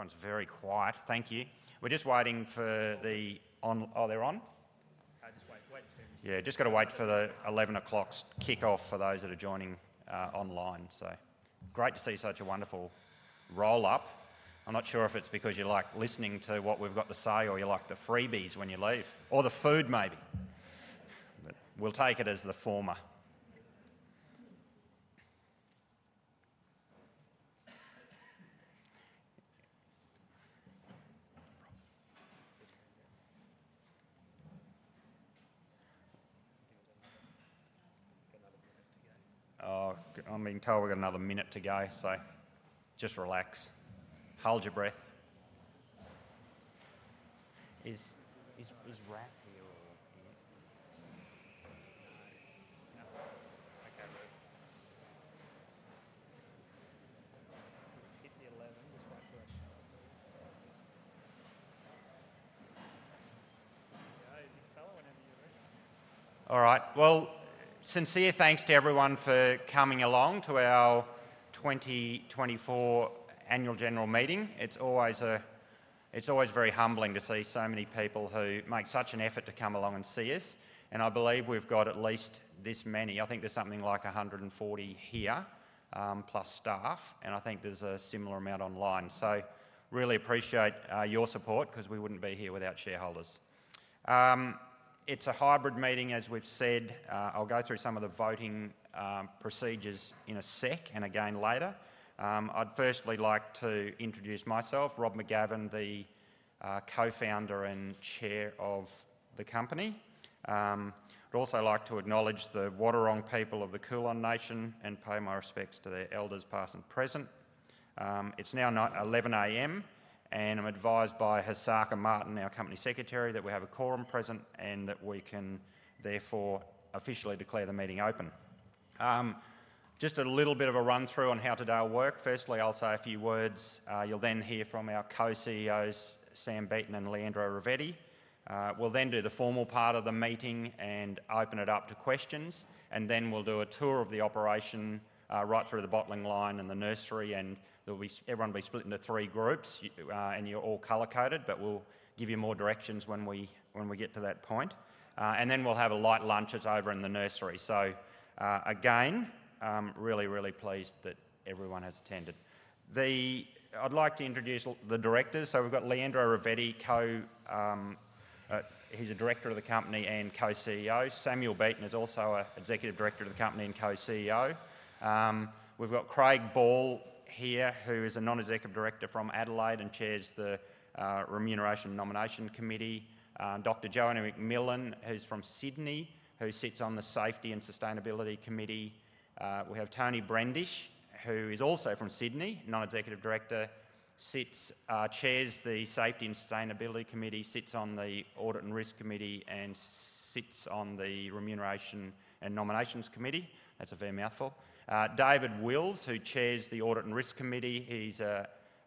Everyone's very quiet, thank you. We're just waiting for the on—are they on? Just waiting to hear from you. Yeah, just got to wait for the 11:00 A.M. kickoff for those that are joining online, so. Great to see such a wonderful roll-up. I'm not sure if it's because you like listening to what we've got to say or you like the freebies when you leave, or the food maybe, but we'll take it as the former. I think we've got another minute to go. Oh, I'm being told we've got another minute to go, so just relax. Hold your breath. Is Rav here or— No. No. No. Okay, right. Hit the 11, just wait for a shot. Yeah, you can follow whenever you're ready. All right, well, sincere thanks to everyone for coming along to our 2024 Annual General Meeting. It's always very humbling to see so many people who make such an effort to come along and see us, and I believe we've got at least this many. I think there's something like 140 here, plus staff, and I think there's a similar amount online, so really appreciate your support because we wouldn't be here without shareholders. It's a hybrid meeting, as we've said. I'll go through some of the voting procedures in a sec and again later. I'd firstly like to introduce myself, Rob McGavin, the co-founder and chair of the company. I'd also like to acknowledge the Wadawurrung people of the Kulin Nation and pay my respects to their elders past and present. It's now 11:00 A.M., and I'm advised by Hasaka Martin, our company secretary, that we have a quorum present and that we can therefore officially declare the meeting open. Just a little bit of a run-through on how today will work. Firstly, I'll say a few words. You'll then hear from our co-CEOs, Sam Beaton and Leandro Ravetti. We'll then do the formal part of the meeting and open it up to questions, and then we'll do a tour of the operation right through the bottling line and the nursery, and everyone will be split into three groups, and you're all color-coded, but we'll give you more directions when we get to that point. And then we'll have a light lunch over in the nursery. So again, really, really pleased that everyone has attended. I'd like to introduce the directors. We've got Leandro Ravetti, he's a director of the company and co-CEO. Samuel Beaton is also an executive director of the company and co-CEO. We've got Craig Ball here, who is a non-executive director from Adelaide and chairs the remuneration and nomination committee. Dr. Joanna McMillan, who's from Sydney, who sits on the safety and sustainability committee. We have Toni Brendish, who is also from Sydney, non-executive director, chairs the safety and sustainability committee, sits on the audit and risk committee, and sits on the remuneration and nominations committee. That's a fair mouthful. David Wills, who chairs the audit and risk committee. He's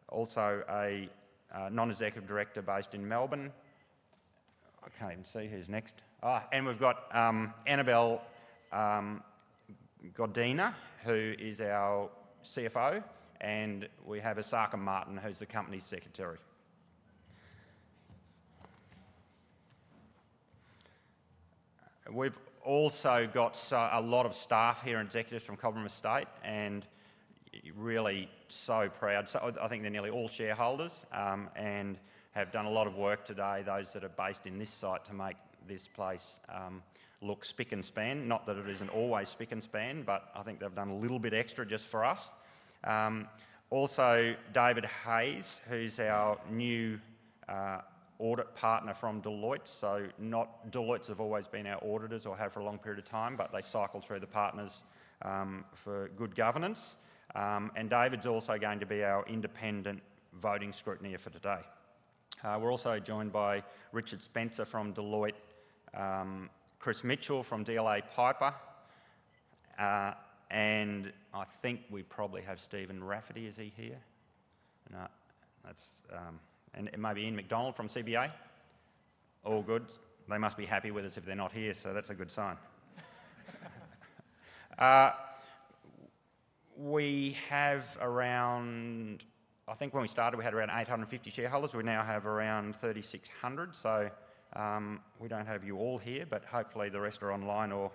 also a non-executive director based in Melbourne. I can't even see who's next. We've got Annabel Godina, who is our CFO, and we have Hasaka Martin, who's the company secretary. We've also got a lot of staff here and executives from Cobram Estate, and really so proud. I think they're nearly all shareholders and have done a lot of work today, those that are based in this site, to make this place look spick and span. Not that it isn't always spick and span, but I think they've done a little bit extra just for us. Also, David Hayes, who's our new audit partner from Deloitte. So Deloitte have always been our auditors or have for a long period of time, but they cycle through the partners for good governance. And David's also going to be our independent voting scrutineer for today. We're also joined by Richard Spencer from Deloitte, Chris Mitchell from DLA Piper, and I think we probably have Stephen Rafferty. Is he here? And maybe Ian McDonald from CBA. All good. They must be happy with us if they're not here, so that's a good sign. We have around, I think when we started, we had around 850 shareholders. We now have around 3,600. So we don't have you all here, but hopefully the rest are online or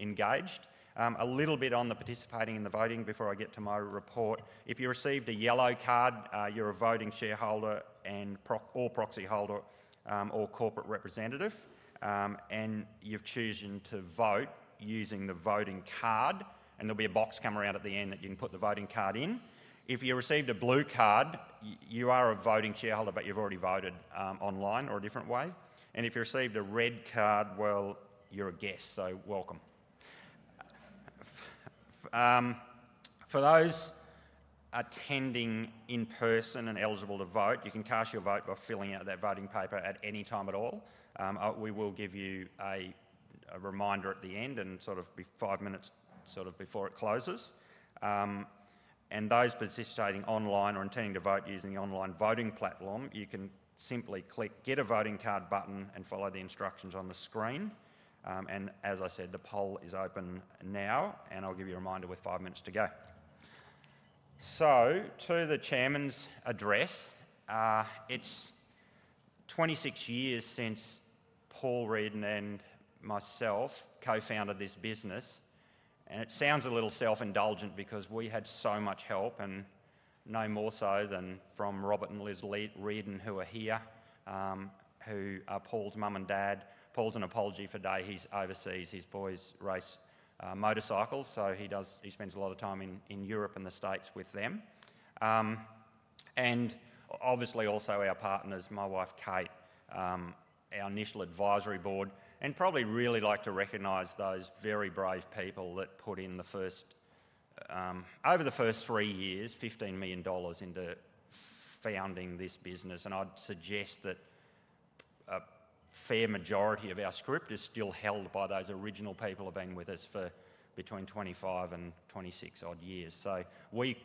engaged. A little bit on the participating in the voting before I get to my report. If you received a yellow card, you're a voting shareholder and/or proxy holder or corporate representative, and you've chosen to vote using the voting card, and there'll be a box come around at the end that you can put the voting card in. If you received a blue card, you are a voting shareholder, but you've already voted online or a different way, and if you received a red card, well, you're a guest, so welcome. For those attending in person and eligible to vote, you can cast your vote by filling out that voting paper at any time at all. We will give you a reminder at the end and sort of be five minutes sort of before it closes. And those participating online or intending to vote using the online voting platform, you can simply click "Get a Voting Card" button and follow the instructions on the screen. And as I said, the poll is open now, and I'll give you a reminder with five minutes to go. So to the chairman's address, it's 26 years since Paul Riordan and myself co-founded this business. And it sounds a little self-indulgent because we had so much help and no more so than from Robert and Liz Riordan, who are here, who are Paul's mum and dad. Paul's apologies for the day he's overseas. His boys race motorcycles, so he spends a lot of time in Europe and the States with them. Obviously also our partners, my wife, Kate, our initial advisory board, and probably really like to recognize those very brave people that put in the first, over the first three years, 15 million dollars into founding this business. I'd suggest that a fair majority of our shares is still held by those original people who have been with us for between 25 and 26 odd years.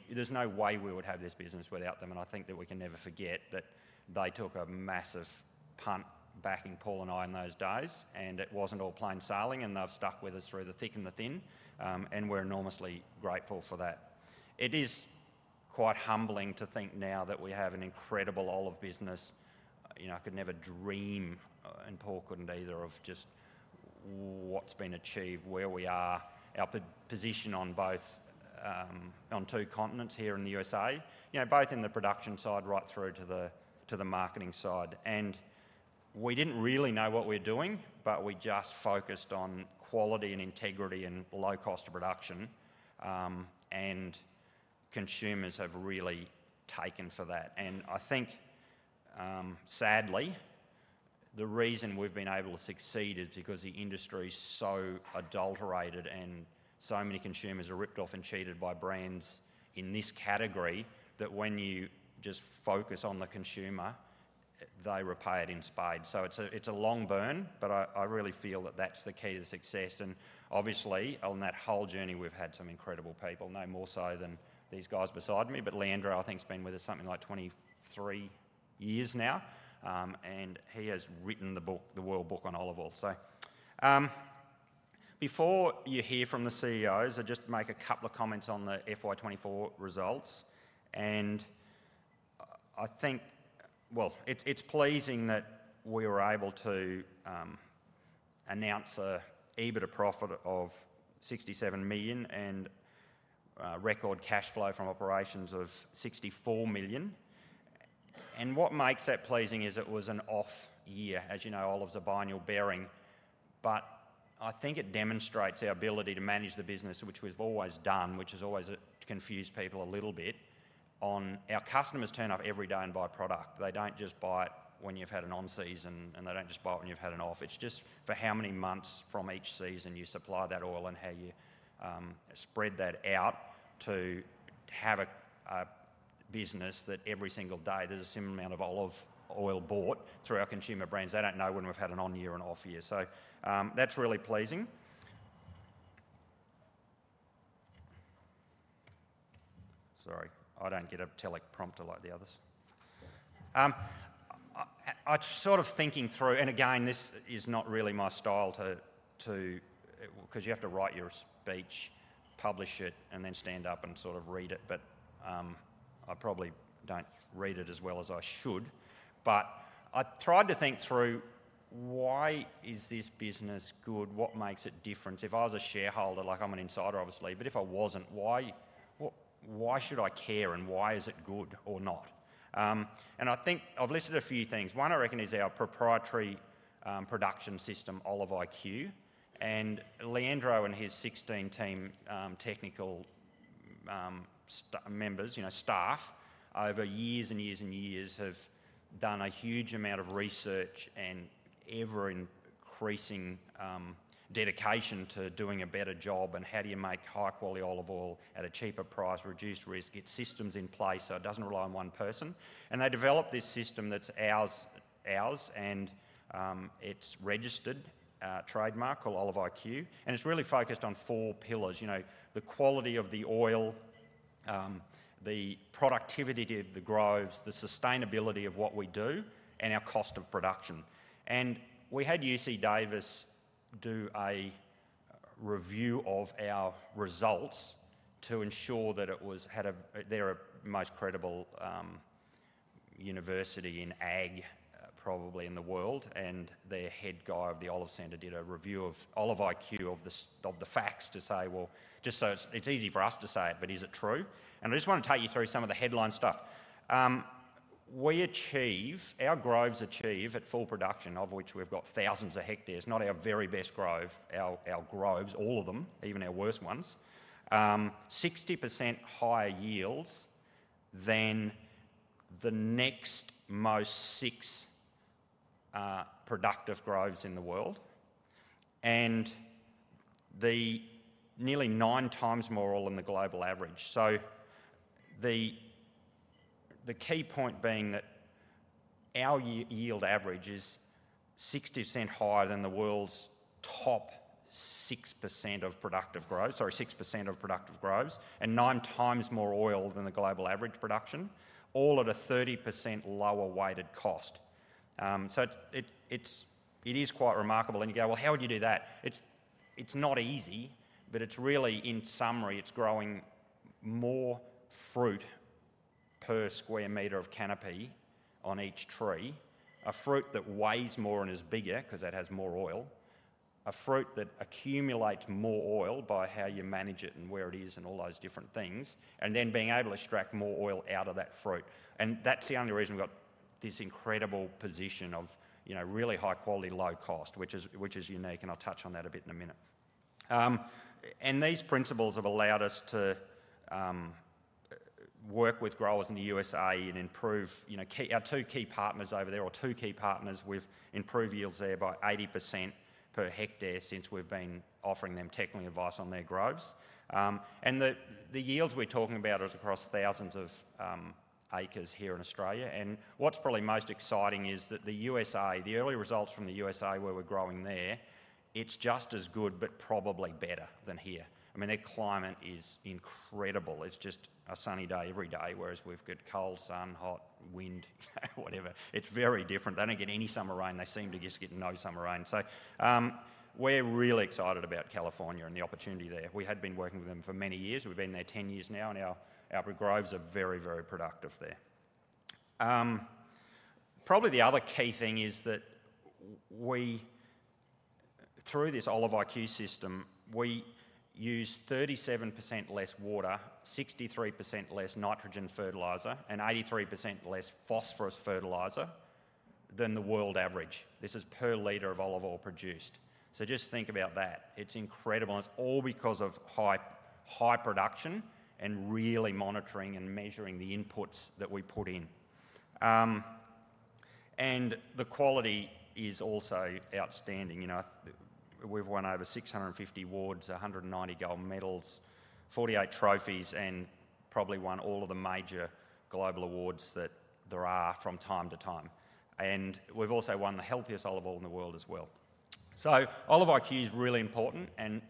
There's no way we would have this business without them, and I think that we can never forget that they took a massive punt backing Paul and I in those days, and it wasn't all plain sailing, and they've stuck with us through the thick and the thin, and we're enormously grateful for that. It is quite humbling to think now that we have an incredible olive business. I could never dream, and Paul couldn't either, of just what's been achieved, where we are, our position on two continents here in the U.S.A., both in the production side right through to the marketing side. And we didn't really know what we were doing, but we just focused on quality and integrity and low cost of production, and consumers have really taken to that. And I think, sadly, the reason we've been able to succeed is because the industry is so adulterated and so many consumers are ripped off and cheated by brands in this category that when you just focus on the consumer, they repay it in spades. So it's a long burn, but I really feel that that's the key to success. And obviously, on that whole journey, we've had some incredible people, no more so than these guys beside me, but Leandro, I think, has been with us something like 23 years now, and he has written the world book on olive oil. So before you hear from the CEOs, I'll just make a couple of comments on the FY24 results. And I think, well, it's pleasing that we were able to announce an EBITDA profit of 67 million and record cash flow from operations of 64 million. And what makes that pleasing is it was an off year. As you know, olives are biennial bearing, but I think it demonstrates our ability to manage the business, which we've always done, which has always confused people a little bit. Our customers turn up every day and buy product. They don't just buy it when you've had an on-season, and they don't just buy it when you've had an off. It's just for how many months from each season you supply that oil and how you spread that out to have a business that every single day there's a similar amount of olive oil bought through our consumer brands. They don't know when we've had an on-year and off-year. So that's really pleasing. Sorry, I don't get a teleprompter like the others. I'm sort of thinking through, and again, this is not really my style because you have to write your speech, publish it, and then stand up and sort of read it, but I probably don't read it as well as I should. But I tried to think through why is this business good? What makes it different? If I was a shareholder, like I'm an insider, obviously, but if I wasn't, why should I care and why is it good or not? And I think I've listed a few things. One I reckon is our proprietary production system, Olive.iQ, and Leandro and his 16 team technical members, staff, over years and years and years have done a huge amount of research and ever-increasing dedication to doing a better job. And how do you make high-quality olive oil at a cheaper price, reduced risk, get systems in place so it doesn't rely on one person? And they developed this system that's ours, and it's registered trademark called Olive.iQ, and it's really focused on four pillars: the quality of the oil, the productivity of the groves, the sustainability of what we do, and our cost of production. We had UC Davis do a review of our results to ensure that it was the most credible university in ag, probably in the world, and their head guy of the Olive Center did a review of Olive.iQ of the facts to say, well, just so it's easy for us to say it, but is it true? I just want to take you through some of the headline stuff. Our groves achieve at full production, of which we've got thousands of hectares, not our very best grove, our groves, all of them, even our worst ones, 60% higher yields than the next six most productive groves in the world, and nearly nine times more oil than the global average. The key point being that our yield average is 60% higher than the world's top 6% of productive groves, sorry, 6% of productive groves, and nine times more oil than the global average production, all at a 30% lower weighted cost. It is quite remarkable, and you go, well, how would you do that? It's not easy, but it's really, in summary, it's growing more fruit per square meter of canopy on each tree, a fruit that weighs more and is bigger because it has more oil, a fruit that accumulates more oil by how you manage it and where it is and all those different things, and then being able to extract more oil out of that fruit. That's the only reason we've got this incredible position of really high quality, low cost, which is unique, and I'll touch on that a bit in a minute. These principles have allowed us to work with growers in the U.S.A. and improve our two key partners over there. Our two key partners. We've improved yields there by 80% per hectare since we've been offering them technical advice on their groves. The yields we're talking about are across thousands of acres here in Australia. What's probably most exciting is that the U.S.A., the early results from the U.S.A. where we're growing there, it's just as good, but probably better than here. I mean, their climate is incredible. It's just a sunny day every day, whereas we've got cold, sunny, hot, wind, whatever. It's very different. They don't get any summer rain. They seem to just get no summer rain. We're really excited about California and the opportunity there. We had been working with them for many years. We've been there 10 years now, and our groves are very, very productive there. Probably the other key thing is that through this Olive.iQ system, we use 37% less water, 63% less nitrogen fertilizer, and 83% less phosphorus fertilizer than the world average. This is per L of olive oil produced. So just think about that. It's incredible. And it's all because of high production and really monitoring and measuring the inputs that we put in. And the quality is also outstanding. We've won over 650 awards, 190 gold medals, 48 trophies, and probably won all of the major global awards that there are from time to time. And we've also won the healthiest olive oil in the world as well. So Olive.iQ is really important, and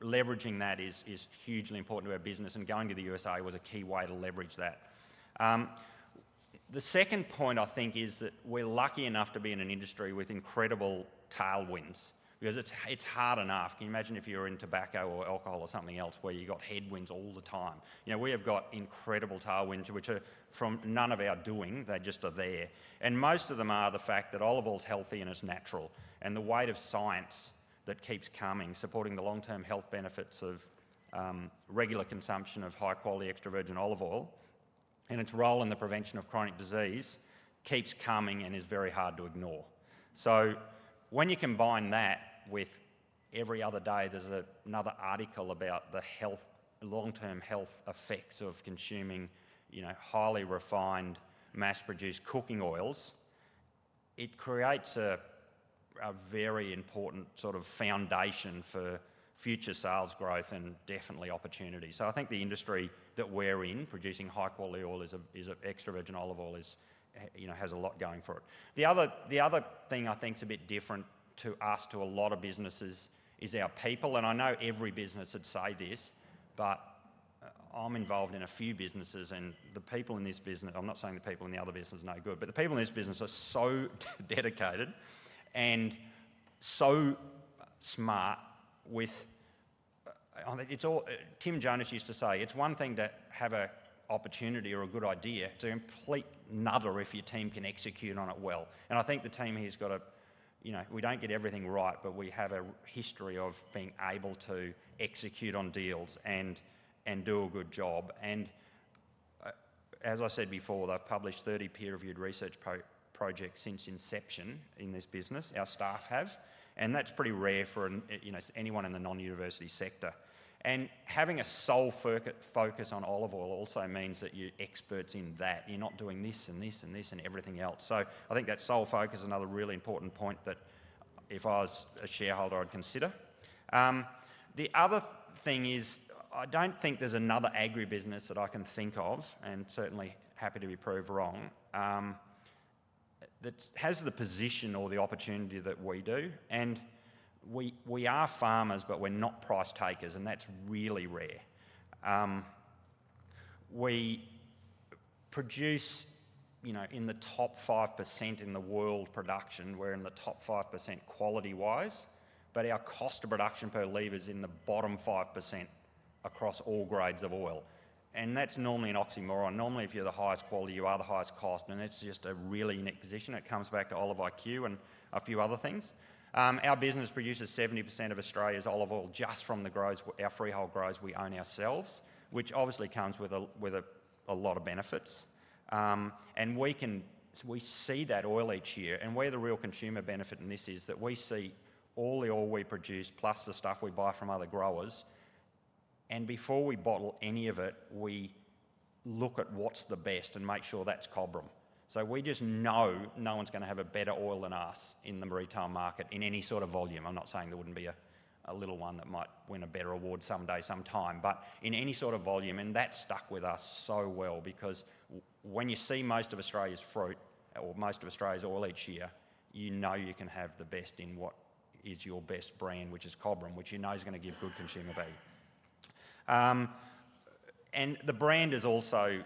leveraging that is hugely important to our business, and going to the U.S.A. was a key way to leverage that. The second point I think is that we're lucky enough to be in an industry with incredible tailwinds because it's hard enough. Can you imagine if you're in tobacco or alcohol or something else where you've got headwinds all the time? We have got incredible tailwinds, which are from none of our doing. They just are there, and most of them are the fact that olive oil is healthy and it's natural, and the weight of science that keeps coming, supporting the long-term health benefits of regular consumption of high-quality extra virgin olive oil and its role in the prevention of chronic disease keeps coming and is very hard to ignore, so when you combine that with every other day, there's another article about the long-term health effects of consuming highly refined, mass-produced cooking oils. It creates a very important sort of foundation for future sales growth and definitely opportunity. I think the industry that we're in, producing high-quality olive oil is extra virgin olive oil, has a lot going for it. The other thing I think is a bit different to us to a lot of businesses is our people. I know every business would say this, but I'm involved in a few businesses, and the people in this business, I'm not saying the people in the other business are no good, but the people in this business are so dedicated and so smart with what Tim Jonas used to say, "It's one thing to have an opportunity or a good idea to complete another if your team can execute on it well." I think the team here has got, we don't get everything right, but we have a history of being able to execute on deals and do a good job. And as I said before, they've published 30 peer-reviewed research projects since inception in this business. Our staff have, and that's pretty rare for anyone in the non-university sector. And having a sole focus on olive oil also means that you're experts in that. You're not doing this and this and this and everything else. So I think that sole focus is another really important point that if I was a shareholder, I'd consider. The other thing is I don't think there's another agribusiness that I can think of, and certainly happy to be proved wrong, that has the position or the opportunity that we do. And we are farmers, but we're not price takers, and that's really rare. We produce in the top 5% in the world production. We're in the top 5% quality-wise, but our cost of production per L is in the bottom 5% across all grades of oil. That's normally an oxymoron. Normally, if you're the highest quality, you are the highest cost, and it's just a really unique position. It comes back to Olive.iQ and a few other things. Our business produces 70% of Australia's olive oil just from the groves. Our freehold groves, we own ourselves, which obviously comes with a lot of benefits. We see that oil each year. Where the real consumer benefit in this is that we see all the oil we produce plus the stuff we buy from other growers. Before we bottle any of it, we look at what's the best and make sure that's Cobram. So we just know no one's going to have a better oil than us in the retail market in any sort of volume. I'm not saying there wouldn't be a little one that might win a better award someday, sometime, but in any sort of volume. And that's stuck with us so well because when you see most of Australia's fruit or most of Australia's oil each year, you know you can have the best in what is your best brand, which is Cobram, which you know is going to give good consumer value. And the brand is also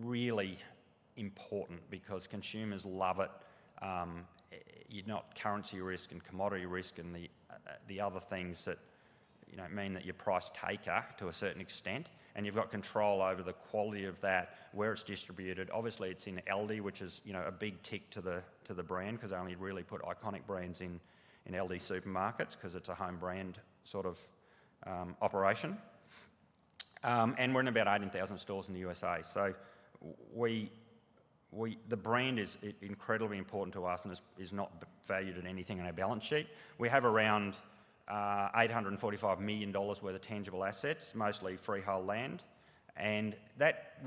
really important because consumers love it. You're not currency risk and commodity risk and the other things that mean that you're price taker to a certain extent, and you've got control over the quality of that, where it's distributed. Obviously, it's in ALDI, which is a big tick to the brand because I only really put iconic brands in ALDI supermarkets because it's a home brand sort of operation. And we're in about 18,000 stores in the U.S.A. So the brand is incredibly important to us and is not valued at anything on our balance sheet. We have around 845 million dollars worth of tangible assets, mostly freehold land. And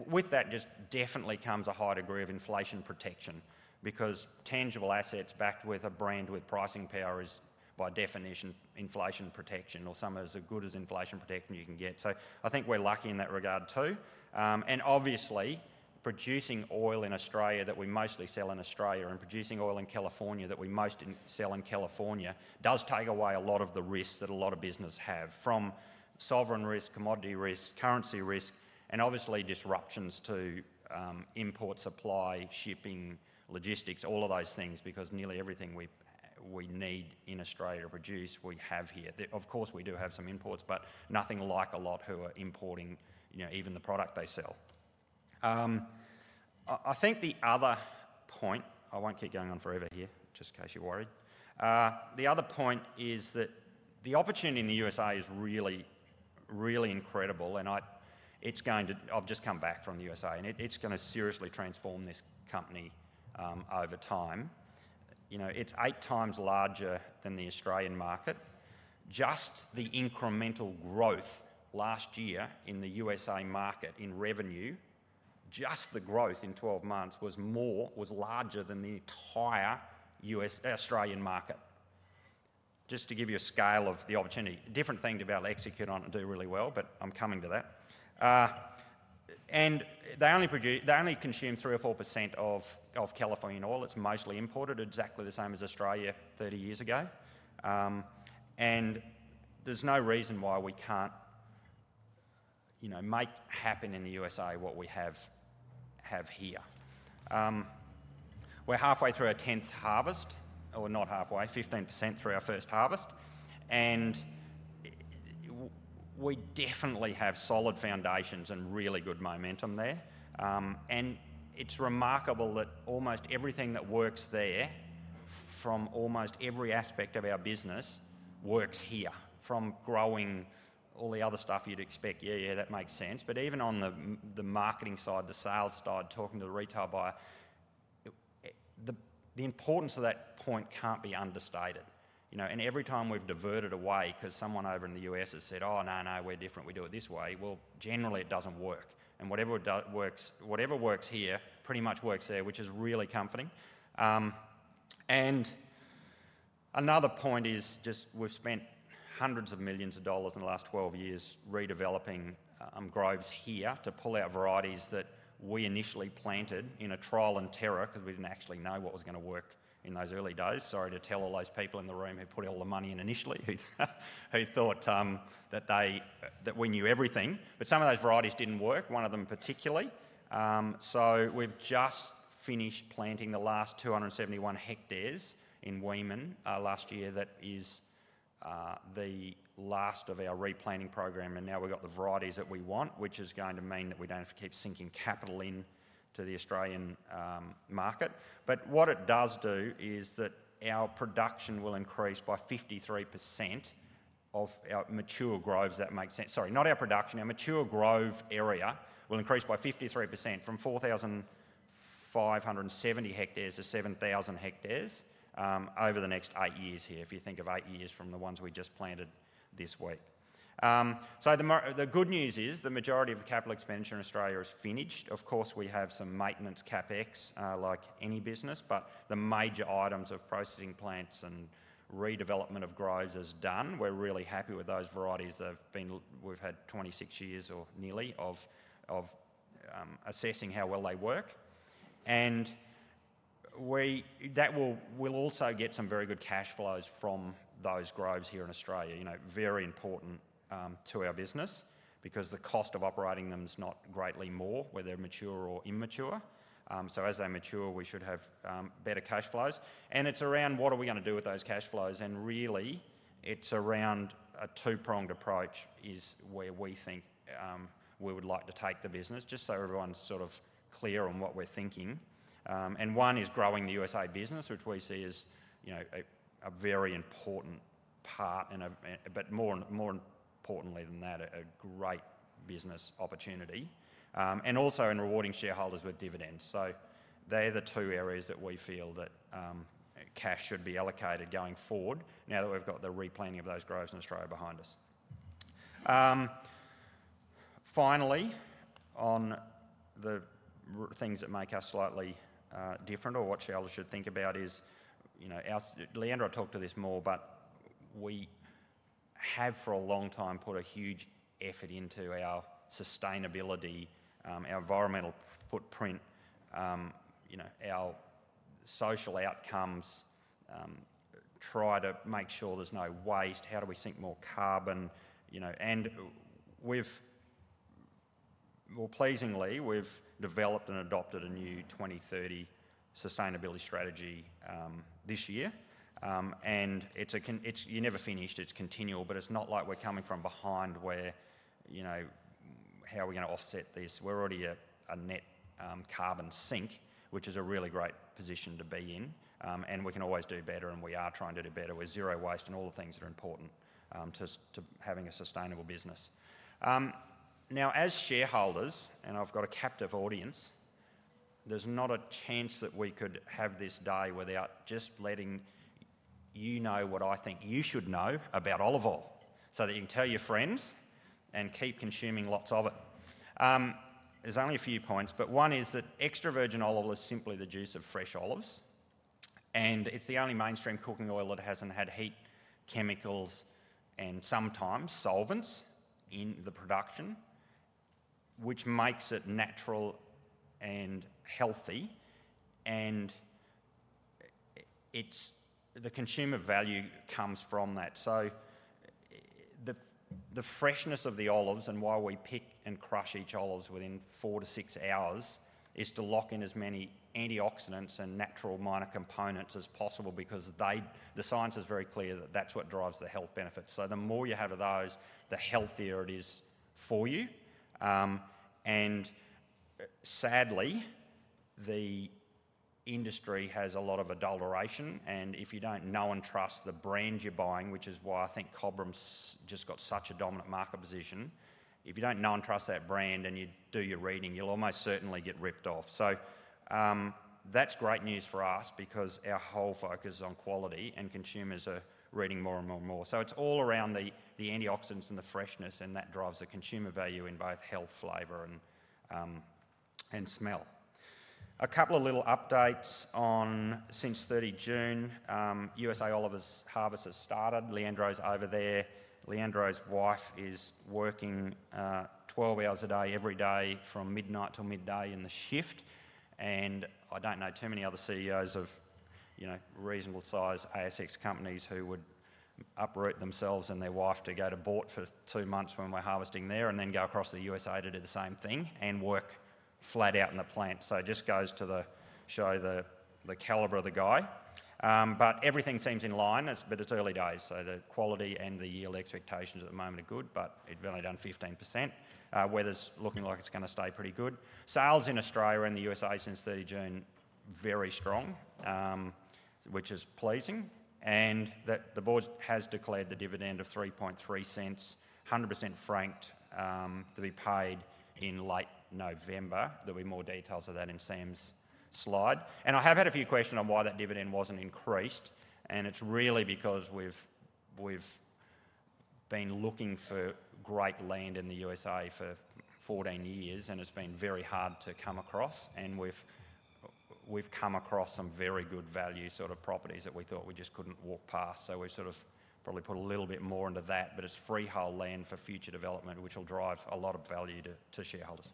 with that just definitely comes a high degree of inflation protection because tangible assets backed with a brand with pricing power is by definition inflation protection, or some as good as inflation protection you can get. So I think we're lucky in that regard too. And obviously, producing oil in Australia that we mostly sell in Australia and producing oil in California that we most sell in California does take away a lot of the risks that a lot of businesses have from sovereign risk, commodity risk, currency risk, and obviously disruptions to import, supply, shipping, logistics, all of those things because nearly everything we need in Australia to produce, we have here. Of course, we do have some imports, but nothing like a lot who are importing even the product they sell. I think the other point. I won't keep going on forever here, just in case you're worried. The other point is that the opportunity in the U.S.A. is really, really incredible, and it's going to. I've just come back from the U.S.A., and it's going to seriously transform this company over time. It's eight times larger than the Australian market. Just the incremental growth last year in the U.S.A. market in revenue, just the growth in 12 months was larger than the entire Australian market. Just to give you a scale of the opportunity. Different thing to be able to execute on and do really well, but I'm coming to that. They only consume 3 or 4% of California oil. It's mostly imported, exactly the same as Australia 30 years ago. There's no reason why we can't make happen in the U.S.A. what we have here. We're halfway through our 10th harvest, or not halfway, 15% through our first harvest. We definitely have solid foundations and really good momentum there. It's remarkable that almost everything that works there from almost every aspect of our business works here, from growing all the other stuff you'd expect. Yeah, yeah, that makes sense. But even on the marketing side, the sales side, talking to the retail buyer, the importance of that point can't be understated. And every time we've diverted away because someone over in the U.S. has said, "Oh, no, no, we're different. We do it this way," well, generally, it doesn't work. And whatever works here, pretty much works there, which is really comforting. And another point is just we've spent hundreds of millions of AUD in the last 12 years redeveloping groves here to pull out varieties that we initially planted in a trial and error because we didn't actually know what was going to work in those early days. Sorry to tell all those people in the room who put all the money in initially. Who thought that we knew everything, but some of those varieties didn't work, one of them particularly. We've just finished planting the last 271 hectares in Wemen last year. That is the last of our replanting program. Now we've got the varieties that we want, which is going to mean that we don't have to keep sinking capital into the Australian market. But what it does do is that our production will increase by 53% of our mature groves. That makes sense. Sorry, not our production. Our mature grove area will increase by 53% from 4,570 hectares to 7,000 hectares over the next eight years here, if you think of eight years from the ones we just planted this week. The good news is the majority of capital expenditure in Australia is finished. Of course, we have some maintenance CapEx like any business, but the major items of processing plants and redevelopment of groves is done. We're really happy with those varieties. We've had 26 years or nearly of assessing how well they work. And we'll also get some very good cash flows from those groves here in Australia. Very important to our business because the cost of operating them is not greatly more whether they're mature or immature. So as they mature, we should have better cash flows. And it's around what are we going to do with those cash flows? And really, it's around a two-pronged approach is where we think we would like to take the business, just so everyone's sort of clear on what we're thinking. And one is growing the U.S.A. business, which we see as a very important part, and a bit more importantly than that, a great business opportunity. And also in rewarding shareholders with dividends. So they're the two areas that we feel that cash should be allocated going forward now that we've got the replanting of those groves in Australia behind us. Finally, on the things that make us slightly different or what shareholders should think about is Leandro talked to this more, but we have for a long time put a huge effort into our sustainability, our environmental footprint, our social outcomes, try to make sure there's no waste. How do we sink more carbon? And more pleasingly, we've developed and adopted a new 2030 sustainability strategy this year. And you're never finished. It's continual, but it's not like we're coming from behind where, "How are we going to offset this?" We're already a net carbon sink, which is a really great position to be in. We can always do better, and we are trying to do better with zero waste and all the things that are important to having a sustainable business. Now, as shareholders, and I've got a captive audience, there's not a chance that we could have this day without just letting you know what I think you should know about olive oil so that you can tell your friends and keep consuming lots of it. There's only a few points, but one is that extra virgin olive oil is simply the juice of fresh olives. It's the only mainstream cooking oil that hasn't had heat, chemicals and sometimes solvents in the production, which makes it natural and healthy. The consumer value comes from that. So the freshness of the olives and why we pick and crush each olive within four to six hours is to lock in as many antioxidants and natural minor components as possible because the science is very clear that that's what drives the health benefits. So the more you have of those, the healthier it is for you. And sadly, the industry has a lot of adulteration. And if you don't know and trust the brand you're buying, which is why I think Cobram's just got such a dominant market position, if you don't know and trust that brand and you do your reading, you'll almost certainly get ripped off. So that's great news for us because our whole focus is on quality, and consumers are reading more and more and more. So it's all around the antioxidants and the freshness, and that drives the consumer value in both health, flavor, and smell. A couple of little updates since 30 June, U.S.A. Olives harvest has started. Leandro's over there. Leandro's wife is working 12 hours a day every day from midnight till midday in the shift. And I don't know too many other CEOs of reasonable size ASX companies who would uproot themselves and their wife to go to Boort for two months when we're harvesting there and then go across the U.S.A. to do the same thing and work flat out in the plant. So it just goes to show the caliber of the guy. But everything seems in line. But it's early days. So the quality and the yield expectations at the moment are good, but it's only done 15%. Weather's looking like it's going to stay pretty good. Sales in Australia and the U.S.A. since 30 June, very strong, which is pleasing. And the board has declared the dividend of 0.033, 100% franked, to be paid in late November. There'll be more details of that in Sam's slide. And I have had a few questions on why that dividend wasn't increased. And it's really because we've been looking for great land in the U.S.A. for 14 years, and it's been very hard to come across. And we've come across some very good value sort of properties that we thought we just couldn't walk past. So we've sort of probably put a little bit more into that. But it's freehold land for future development, which will drive a lot of value to shareholders.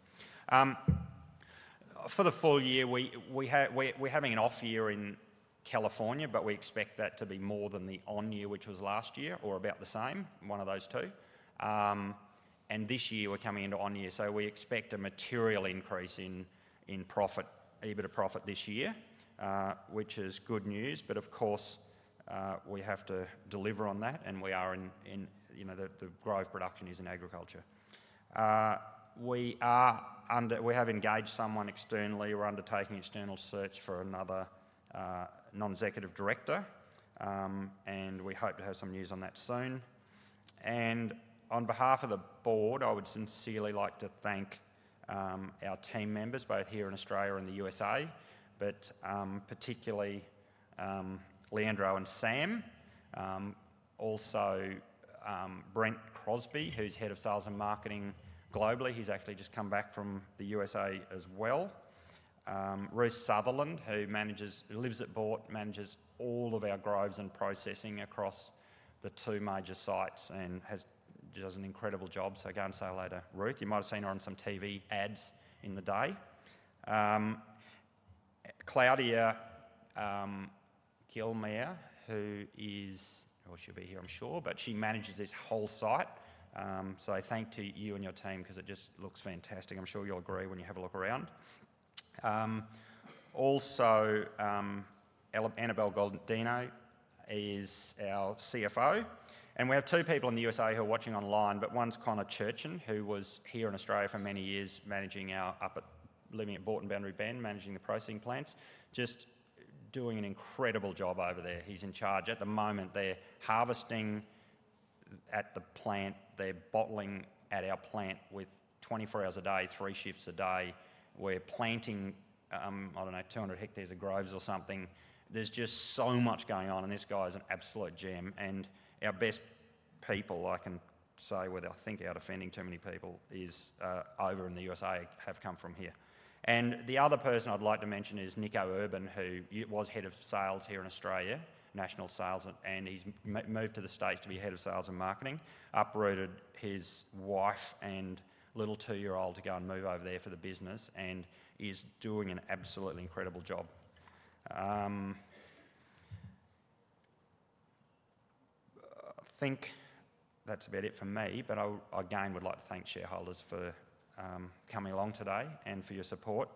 For the full year, we're having an off year in California, but we expect that to be more than the on year, which was last year, or about the same, one of those two. And this year, we're coming into on year. So we expect a material increase in profit, EBITDA profit this year, which is good news. But of course, we have to deliver on that, and we are in the grove. Production is in agriculture. We have engaged someone externally. We're undertaking external search for another non-executive director, and we hope to have some news on that soon. And on behalf of the board, I would sincerely like to thank our team members, both here in Australia and the U.S.A., but particularly Leandro and Sam. Also, Brent Crosby, who's Head of Sales and Marketing globally. He's actually just come back from the U.S.A. as well. Ruth Sutherland, who lives at Boort, manages all of our groves and processing across the two major sites and does an incredible job. So go and say hello to Ruth. You might have seen her on some TV ads in the day. Claudia Guillaume, who is, well, she'll be here, I'm sure, but she manages this whole site. So thank you and your team because it just looks fantastic. I'm sure you'll agree when you have a look around. Also, Annabel Godina is our CFO. And we have two people in the U.S.A. who are watching online, but one's Conor Churchett, who was here in Australia for many years living at Boort and Boundary Bend, managing the processing plants, just doing an incredible job over there. He's in charge at the moment. They're harvesting at the plant. They're bottling at our plant with 24 hours a day, three shifts a day. We're planting, I don't know, 200 hectares of groves or something. There's just so much going on, and this guy is an absolute gem. And our best people, I can say, without thinking out of offending too many people, over in the U.S.A. have come from here. And the other person I'd like to mention is Nico Urban, who was head of sales here in Australia, national sales, and he's moved to the States to be head of sales and marketing, uprooted his wife and little two-year-old to go and move over there for the business, and is doing an absolutely incredible job. I think that's about it for me. But again, I would like to thank shareholders for coming along today and for your support.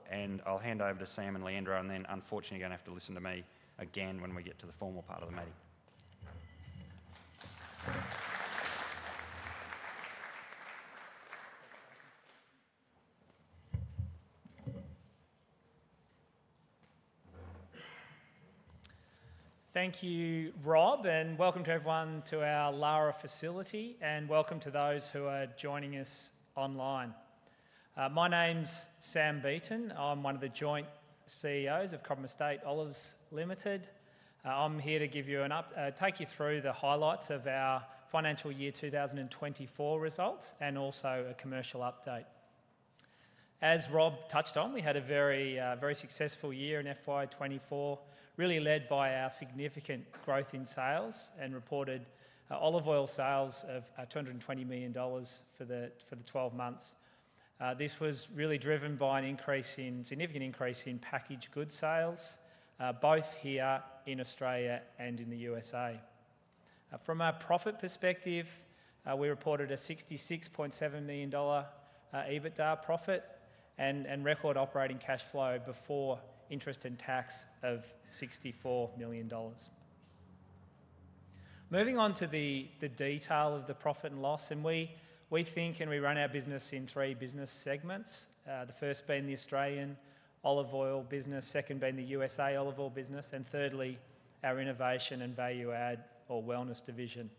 I'll hand over to Sam and Leandro, and then, unfortunately, you're going to have to listen to me again when we get to the formal part of the meeting. Thank you, Rob, and welcome to everyone to our Lara facility, and welcome to those who are joining us online. My name's Sam Beaton. I'm one of the joint CEOs of Cobram Estate Olives Limited. I'm here to take you through the highlights of our financial year 2024 results and also a commercial update. As Rob touched on, we had a very successful year in FY24, really led by our significant growth in sales and reported olive oil sales of 220 million dollars for the 12 months. This was really driven by a significant increase in packaged goods sales, both here in Australia and in the U.S.A. From a profit perspective, we reported 66.7 million dollar EBITDA profit and record operating cash flow before interest and tax of 64 million dollars. Moving on to the detail of the profit and loss, and we think and we run our business in three business segments, the first being the Australian olive oil business, second being the U.S.A. olive oil business, and thirdly, our innovation and value add or wellness division.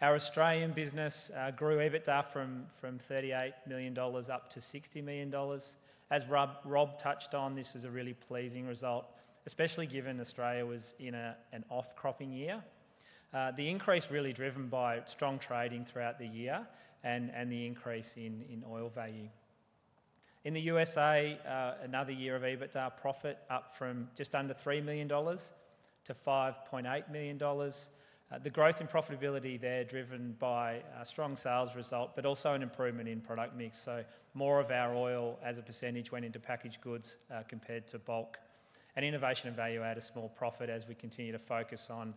Our Australian business grew EBITDA from 38 million dollars up to 60 million dollars. As Rob touched on, this was a really pleasing result, especially given Australia was in an off-cropping year. The increase was really driven by strong trading throughout the year and the increase in oil value. In the U.S.A., another year of EBITDA profit up from just under 3 million dollars to 5.8 million dollars. The growth in profitability there was driven by a strong sales result, but also an improvement in product mix. So more of our oil as a percentage went into packaged goods compared to bulk. And innovation and value add is more profit as we continue to focus on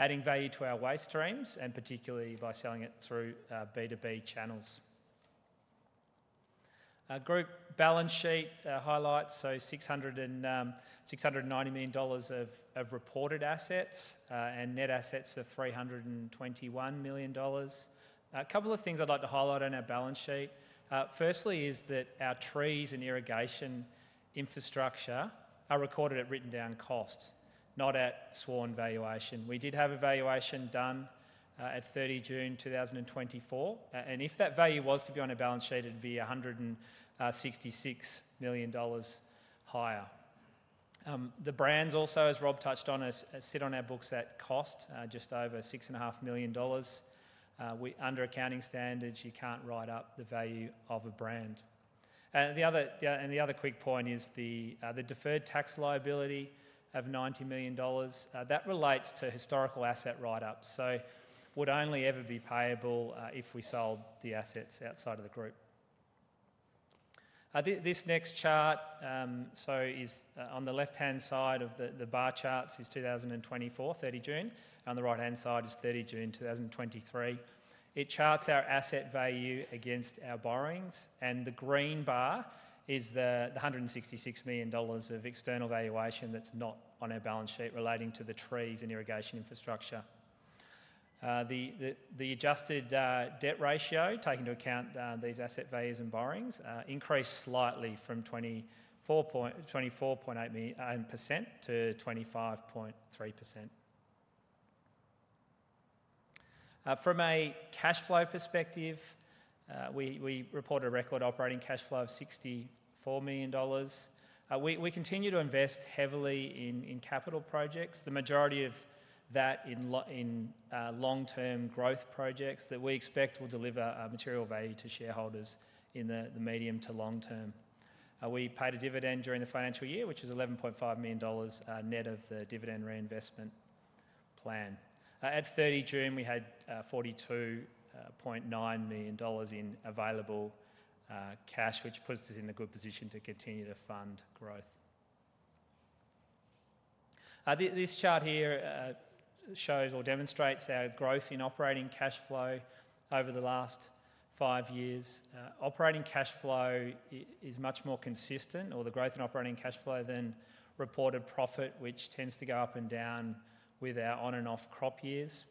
adding value to our waste streams and particularly by selling it through B2B channels. Group balance sheet highlights 690 million dollars of reported assets and net assets of 321 million dollars. A couple of things I'd like to highlight on our balance sheet. Firstly is that our trees and irrigation infrastructure are recorded at written-down cost, not at current valuation. We did have a valuation done at 30 June 2024. And if that value was to be on a balance sheet, it'd be 166 million dollars higher. The brands also, as Rob touched on, sit on our books at cost, just over 6.5 million dollars. Under accounting standards, you can't write up the value of a brand. And the other quick point is the deferred tax liability of 90 million dollars. That relates to historical asset write-ups. So it would only ever be payable if we sold the assets outside of the group. This next chart is on the left-hand side of the bar charts is 2024, 30 June. On the right-hand side is 30 June 2023. It charts our asset value against our borrowings. And the green bar is the 166 million dollars of external valuation that's not on our balance sheet relating to the trees and irrigation infrastructure. The adjusted debt ratio, taking into account these asset values and borrowings, increased slightly from 24.8%-25.3%. From a cash flow perspective, we report a record operating cash flow of 64 million dollars. We continue to invest heavily in capital projects, the majority of that in long-term growth projects that we expect will deliver material value to shareholders in the medium to long term. We paid a dividend during the financial year, which was 11.5 million dollars net of the dividend reinvestment plan. At 30 June, we had 42.9 million dollars in available cash, which puts us in a good position to continue to fund growth. This chart here shows or demonstrates our growth in operating cash flow over the last five years. Operating cash flow is much more consistent, or the growth in operating cash flow, than reported profit, which tends to go up and down with our on-and-off crop years.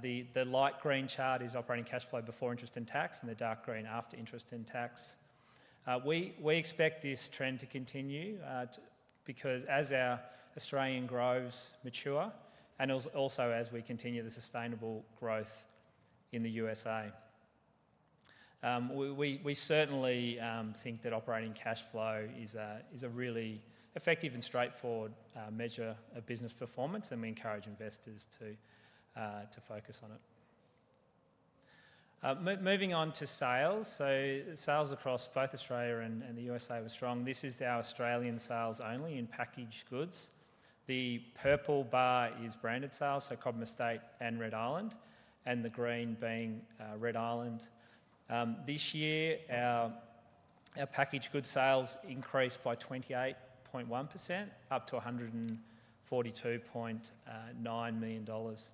The light green chart is operating cash flow before interest and tax, and the dark green after interest and tax. We expect this trend to continue because as our Australian groves mature and also as we continue the sustainable growth in the U.S.A. We certainly think that operating cash flow is a really effective and straightforward measure of business performance, and we encourage investors to focus on it. Moving on to sales. So sales across both Australia and the U.S.A. were strong. This is our Australian sales only in packaged goods. The purple bar is branded sales, so Cobram Estate and Red Island, and the green being Red Island. This year, our packaged goods sales increased by 28.1%, up to 142.9 million dollars.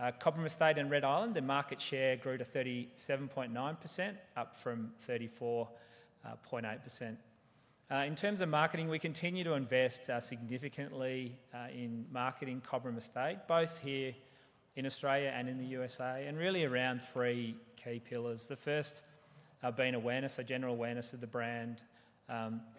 Cobram Estate and Red Island, their market share grew to 37.9%, up from 34.8%. In terms of marketing, we continue to invest significantly in marketing Cobram Estate, both here in Australia and in the U.S.A., and really around three key pillars. The first being awareness, a general awareness of the brand.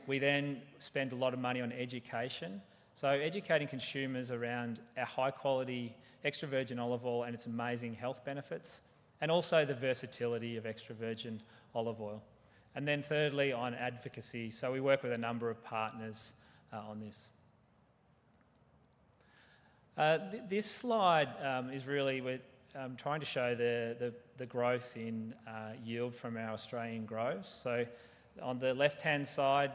We then spend a lot of money on education. So educating consumers around our high-quality extra virgin olive oil and its amazing health benefits, and also the versatility of extra virgin olive oil. And then thirdly, on advocacy. So we work with a number of partners on this. This slide is really trying to show the growth in yield from our Australian groves. So on the left-hand side,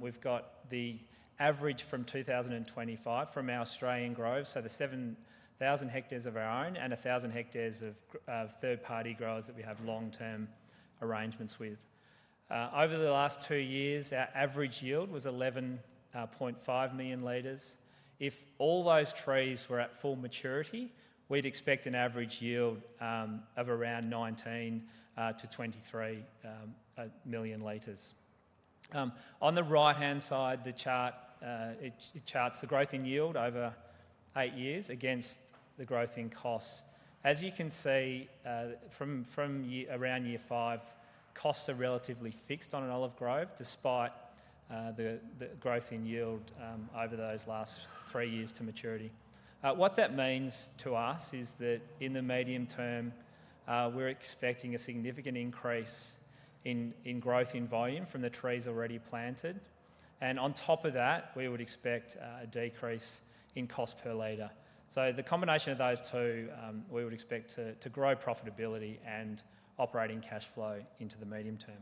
we've got the average from 2025 from our Australian groves. So the 7,000 hectares of our own and 1,000 hectares of third-party growers that we have long-term arrangements with. Over the last two years, our average yield was 11.5 million L. If all those trees were at full maturity, we'd expect an average yield of around 19-23 million L. On the right-hand side, the chart charts the growth in yield over eight years against the growth in costs. As you can see, from around year five, costs are relatively fixed on an olive grove, despite the growth in yield over those last three years to maturity. What that means to us is that in the medium term, we're expecting a significant increase in growth in volume from the trees already planted, and on top of that, we would expect a decrease in cost per L, so the combination of those two, we would expect to grow profitability and operating cash flow into the medium term.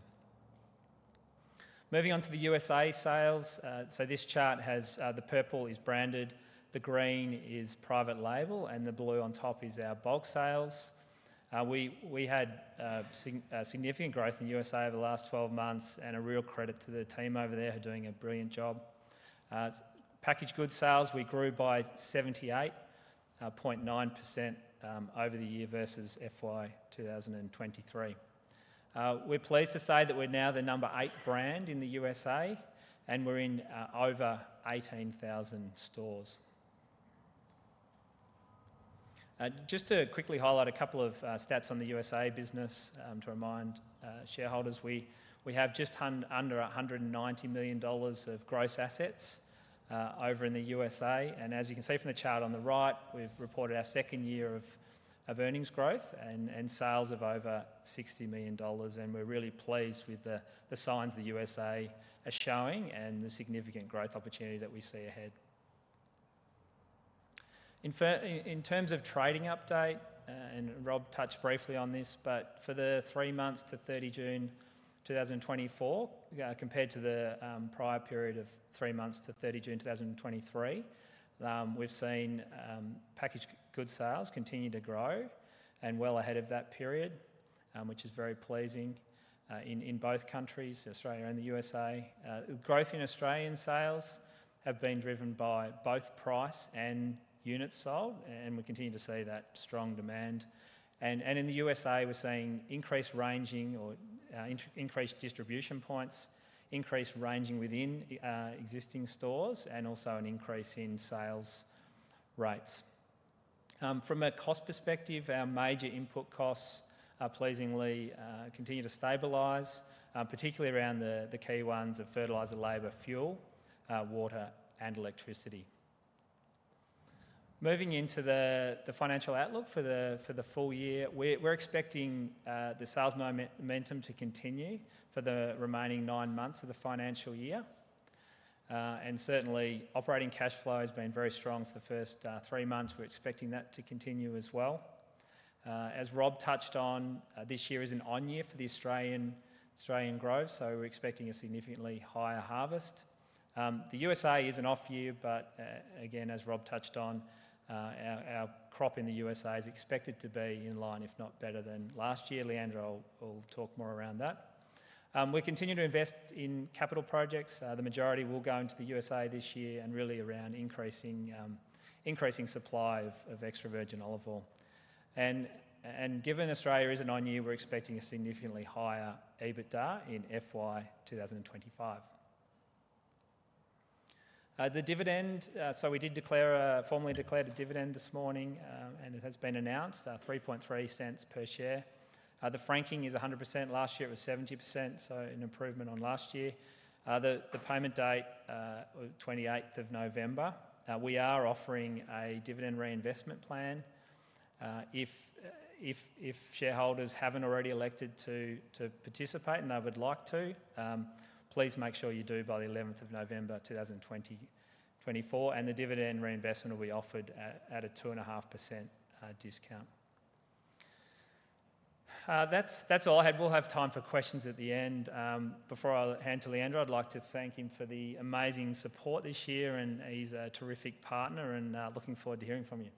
Moving on to the U.S.A. sales, so this chart has the purple is branded, the green is private label, and the blue on top is our bulk sales. We had significant growth in the U.S.A. over the last 12 months and a real credit to the team over there for doing a brilliant job. Packaged goods sales, we grew by 78.9% over the year versus FY 2023. We're pleased to say that we're now the number eight brand in the U.S.A., and we're in over 18,000 stores. Just to quickly highlight a couple of stats on the U.S.A. business to remind shareholders, we have just under 190 million dollars of gross assets over in the U.S.A., and as you can see from the chart on the right, we've reported our second year of earnings growth and sales of over 60 million dollars, and we're really pleased with the signs the U.S.A. is showing and the significant growth opportunity that we see ahead. In terms of trading update, and Rob touched briefly on this, but for the three months to 30 June 2024, compared to the prior period of three months to 30 June 2023, we've seen packaged goods sales continue to grow and well ahead of that period, which is very pleasing in both countries, Australia and the U.S.A. Growth in Australian sales has been driven by both price and units sold, and we continue to see that strong demand, and in the U.S.A., we're seeing increased ranging or increased distribution points, increased ranging within existing stores, and also an increase in sales rates. From a cost perspective, our major input costs are pleasingly continuing to stabilize, particularly around the key ones of fertilizer, labor, fuel, water, and electricity. Moving into the financial outlook for the full year, we're expecting the sales momentum to continue for the remaining nine months of the financial year. And certainly, operating cash flow has been very strong for the first three months. We're expecting that to continue as well. As Rob touched on, this year is an on-year for the Australian grove, so we're expecting a significantly higher harvest. The U.S.A. is an off-year, but again, as Rob touched on, our crop in the U.S.A. is expected to be in line, if not better than last year. Leandro will talk more around that. We continue to invest in capital projects. The majority will go into the U.S.A. this year and really around increasing supply of extra virgin olive oil. And given Australia is an on-year, we're expecting a significantly higher EBITDA in FY 2025. The dividend, so we did formally declare a dividend this morning, and it has been announced, 3.3 per share. The franking is 100%. Last year, it was 70%, so an improvement on last year. The payment date is 28th of November. We are offering a dividend reinvestment plan. If shareholders haven't already elected to participate and they would like to, please make sure you do by the 11th of November 2024. The dividend reinvestment will be offered at a 2.5% discount. That's all I had. We'll have time for questions at the end. Before I hand to Leandro, I'd like to thank him for the amazing support this year and he's a terrific partner, and looking forward to hearing from you.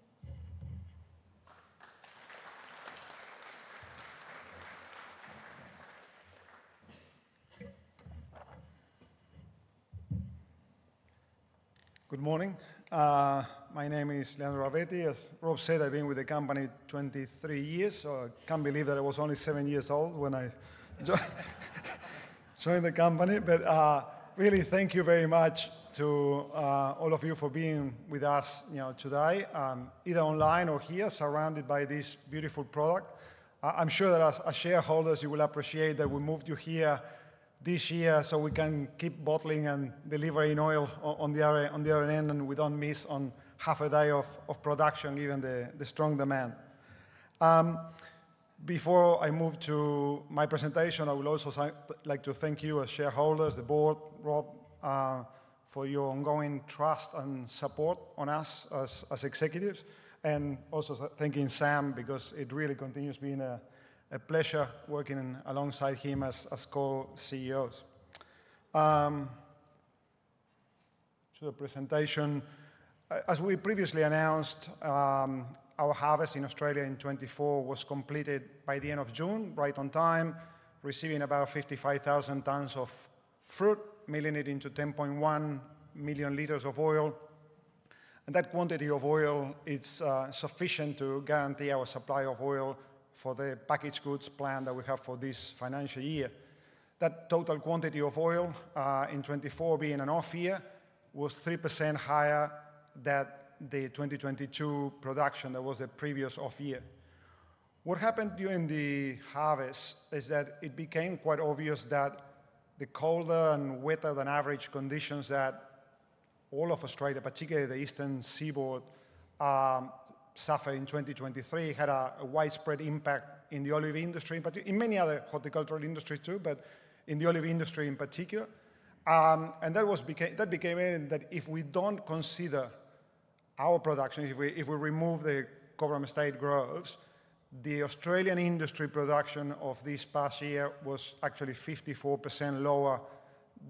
Good morning. My name is Leandro Ravetti. As Rob said, I've been with the company 23 years, so I can't believe that I was only seven years old when I joined the company. But really, thank you very much to all of you for being with us today, either online or here, surrounded by this beautiful product. I'm sure that as shareholders, you will appreciate that we moved you here this year so we can keep bottling and delivering oil on the other end and we don't miss on half a day of production, given the strong demand. Before I move to my presentation, I would also like to thank you as shareholders, the board, Rob, for your ongoing trust and support on us as executives, and also thanking Sam because it really continues being a pleasure working alongside him as co-CEOs. To the presentation, as we previously announced, our harvest in Australia in 2024 was completed by the end of June, right on time, receiving about 55,000 tons of fruit, milling it into 10.1 million L of oil. And that quantity of oil is sufficient to guarantee our supply of oil for the packaged goods plan that we have for this financial year. That total quantity of oil in 2024, being an off-year, was 3% higher than the 2022 production that was the previous off-year. What happened during the harvest is that it became quite obvious that the colder and wetter than average conditions that all of Australia, particularly the Eastern Seaboard, suffered in 2023, had a widespread impact in the olive industry, in many other horticultural industries too, but in the olive industry in particular. That became evident that if we don't consider our production, if we remove the Cobram Estate groves, the Australian industry production of this past year was actually 54% lower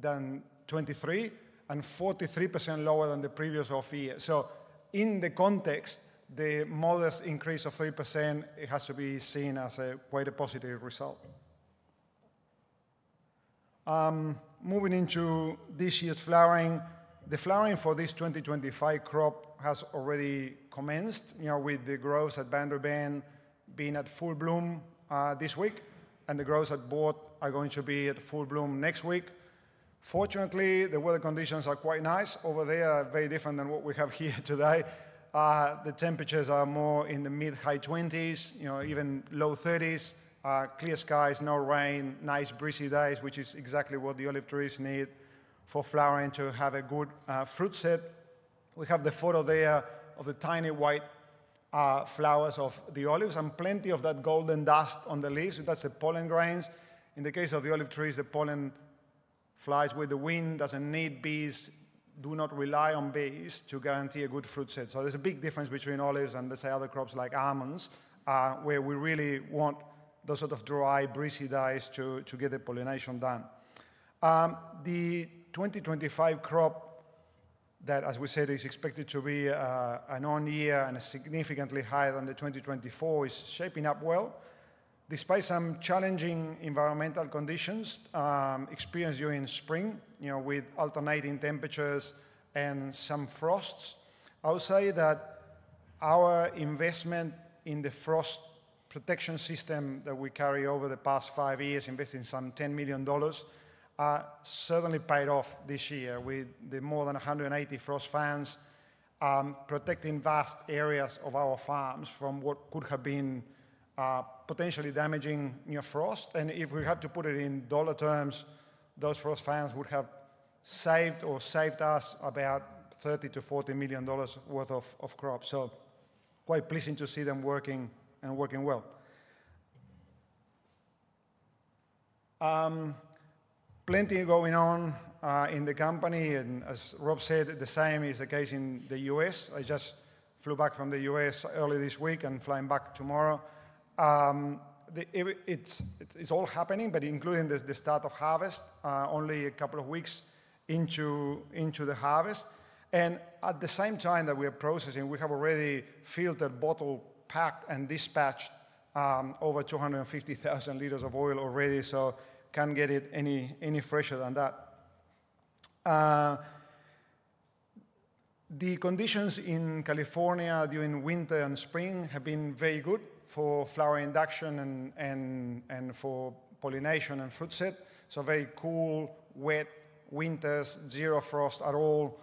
than 2023 and 43% lower than the previous off-year. So in the context, the modest increase of 3% has to be seen as quite a positive result. Moving into this year's flowering, the flowering for this 2025 crop has already commenced, with the groves at Boundary Bend being at full bloom this week, and the groves at Boort are going to be at full bloom next week. Fortunately, the weather conditions are quite nice. Over there, very different than what we have here today. The temperatures are more in the mid-high 20s, even low 30s. Clear skies, no rain, nice breezy days, which is exactly what the olive trees need for flowering to have a good fruit set. We have the photo there of the tiny white flowers of the olives and plenty of that golden dust on the leaves. That's the pollen grains. In the case of the olive trees, the pollen flies with the wind, doesn't need bees, do not rely on bees to guarantee a good fruit set. So there's a big difference between olives and, let's say, other crops like almonds, where we really want those sort of dry, breezy days to get the pollination done. The 2025 crop that, as we said, is expected to be an on-year and significantly higher than the 2024 is shaping up well. Despite some challenging environmental conditions experienced during spring, with alternating temperatures and some frosts, I'll say that our investment in the frost protection system that we carried over the past five years, investing some 10 million dollars, certainly paid off this year with the more than 180 frost fans protecting vast areas of our farms from what could have been potentially damaging frost. And if we had to put it in dollar terms, those frost fans would have saved us about 30 million-40 million dollars worth of crop. So quite pleasing to see them working and working well. Plenty going on in the company. And as Rob said, the same is the case in the U.S. I just flew back from the U.S. early this week and flying back tomorrow. It's all happening, but including the start of harvest, only a couple of weeks into the harvest. And at the same time that we are processing, we have already filtered, bottled, packed, and dispatched over 250,000 L of oil already, so can't get it any fresher than that. The conditions in California during winter and spring have been very good for flower induction and for pollination and fruit set. So very cool, wet winters, zero frost at all,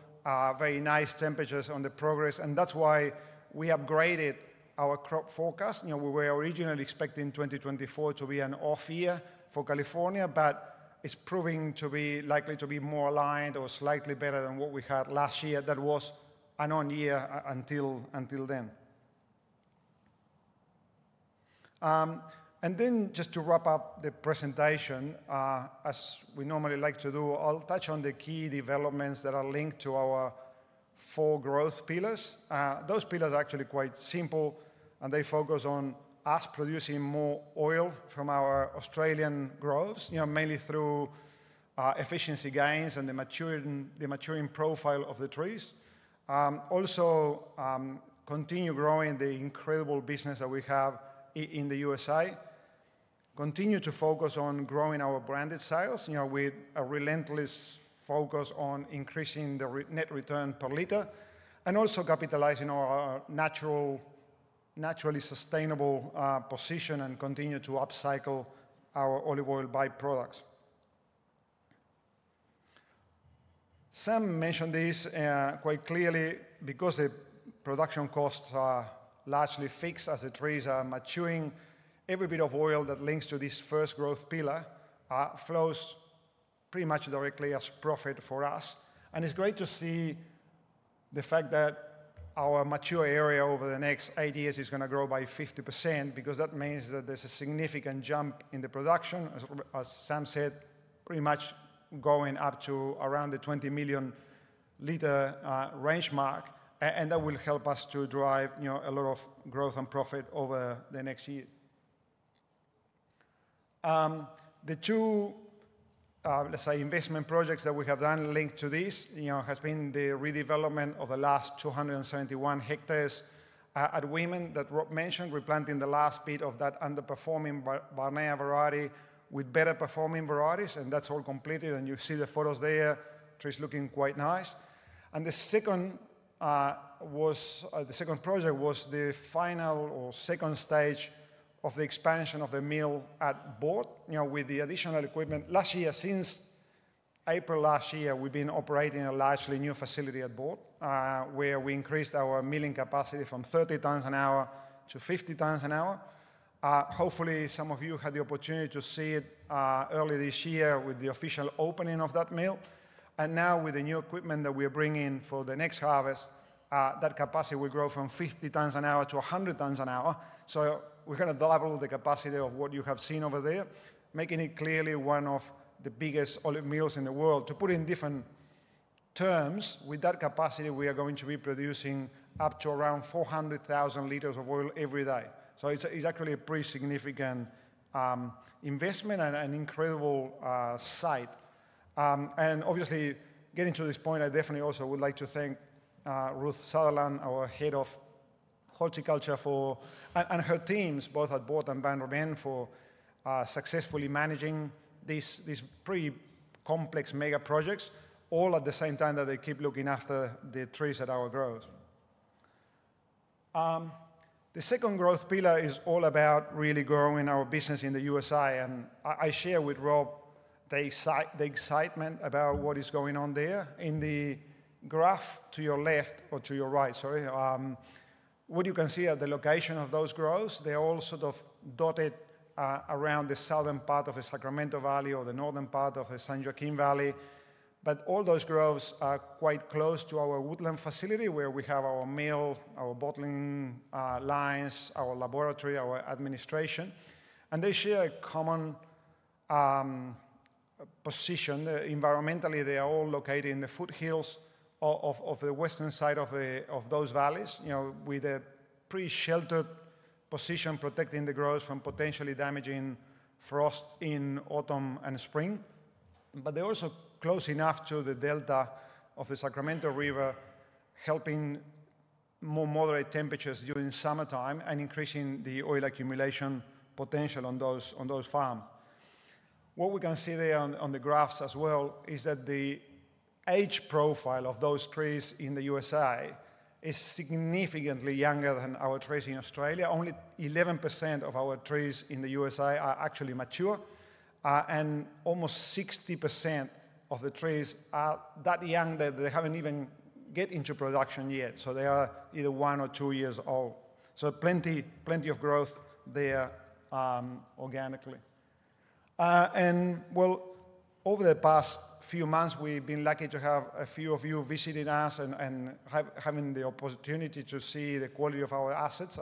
very nice temperatures on the progress. And that's why we upgraded our crop forecast. We were originally expecting 2024 to be an off-year for California, but it's proving to be likely to be more aligned or slightly better than what we had last year that was an on-year until then. And then just to wrap up the presentation, as we normally like to do, I'll touch on the key developments that are linked to our four growth pillars. Those pillars are actually quite simple, and they focus on us producing more oil from our Australian groves, mainly through efficiency gains and the maturing profile of the trees. Also, continue growing the incredible business that we have in the U.S.A. Continue to focus on growing our branded sales with a relentless focus on increasing the net return per L, and also capitalizing our naturally sustainable position and continue to upcycle our olive oil byproducts. Sam mentioned this quite clearly because the production costs are largely fixed as the trees are maturing. Every bit of oil that links to this first growth pillar flows pretty much directly as profit for us. It's great to see the fact that our mature area over the next eight years is going to grow by 50% because that means that there's a significant jump in the production, as Sam said, pretty much going up to around the 20 million L range mark, and that will help us to drive a lot of growth and profit over the next year. The two, let's say, investment projects that we have done linked to this has been the redevelopment of the last 271 hectares at Wemen that Rob mentioned, replanting the last bit of that underperforming Barnea variety with better performing varieties, and that's all completed. You see the photos there, trees looking quite nice. The second project was the final or second stage of the expansion of the mill at Boort with the additional equipment. Last year, since April last year, we've been operating a largely new facility at Boort where we increased our milling capacity from 30 tons an hour to 50 tons an hour. Hopefully, some of you had the opportunity to see it early this year with the official opening of that mill. And now, with the new equipment that we are bringing for the next harvest, that capacity will grow from 50 tons an hour to 100 tons an hour. So we're going to double the capacity of what you have seen over there, making it clearly one of the biggest olive mills in the world. To put in different terms, with that capacity, we are going to be producing up to around 400,000 L of oil every day. So it's actually a pretty significant investment and incredible sight. Obviously, getting to this point, I definitely also would like to thank Ruth Sutherland, our head of horticulture for, and her teams, both at Boort and Boundary Bend, for successfully managing these pretty complex mega projects, all at the same time that they keep looking after the trees at our groves. The second growth pillar is all about really growing our business in the U.S.A. And I share with Rob the excitement about what is going on there. In the graph to your left or to your right, sorry, what you can see are the locations of those groves. They're all sort of dotted around the southern part of the Sacramento Valley or the northern part of the San Joaquin Valley. But all those groves are quite close to our Woodland facility where we have our mill, our bottling lines, our laboratory, our administration. And they share a common position. Environmentally, they are all located in the foothills of the western side of those valleys with a pretty sheltered position protecting the groves from potentially damaging frost in autumn and spring. But they're also close enough to the delta of the Sacramento River, helping more moderate temperatures during summertime and increasing the oil accumulation potential on those farms. What we can see there on the graphs as well is that the age profile of those trees in the U.S.A. is significantly younger than our trees in Australia. Only 11% of our trees in the U.S.A. are actually mature, and almost 60% of the trees are that young that they haven't even got into production yet. So they are either one or two years old. So plenty of growth there organically. Over the past few months, we've been lucky to have a few of you visiting us and having the opportunity to see the quality of our assets.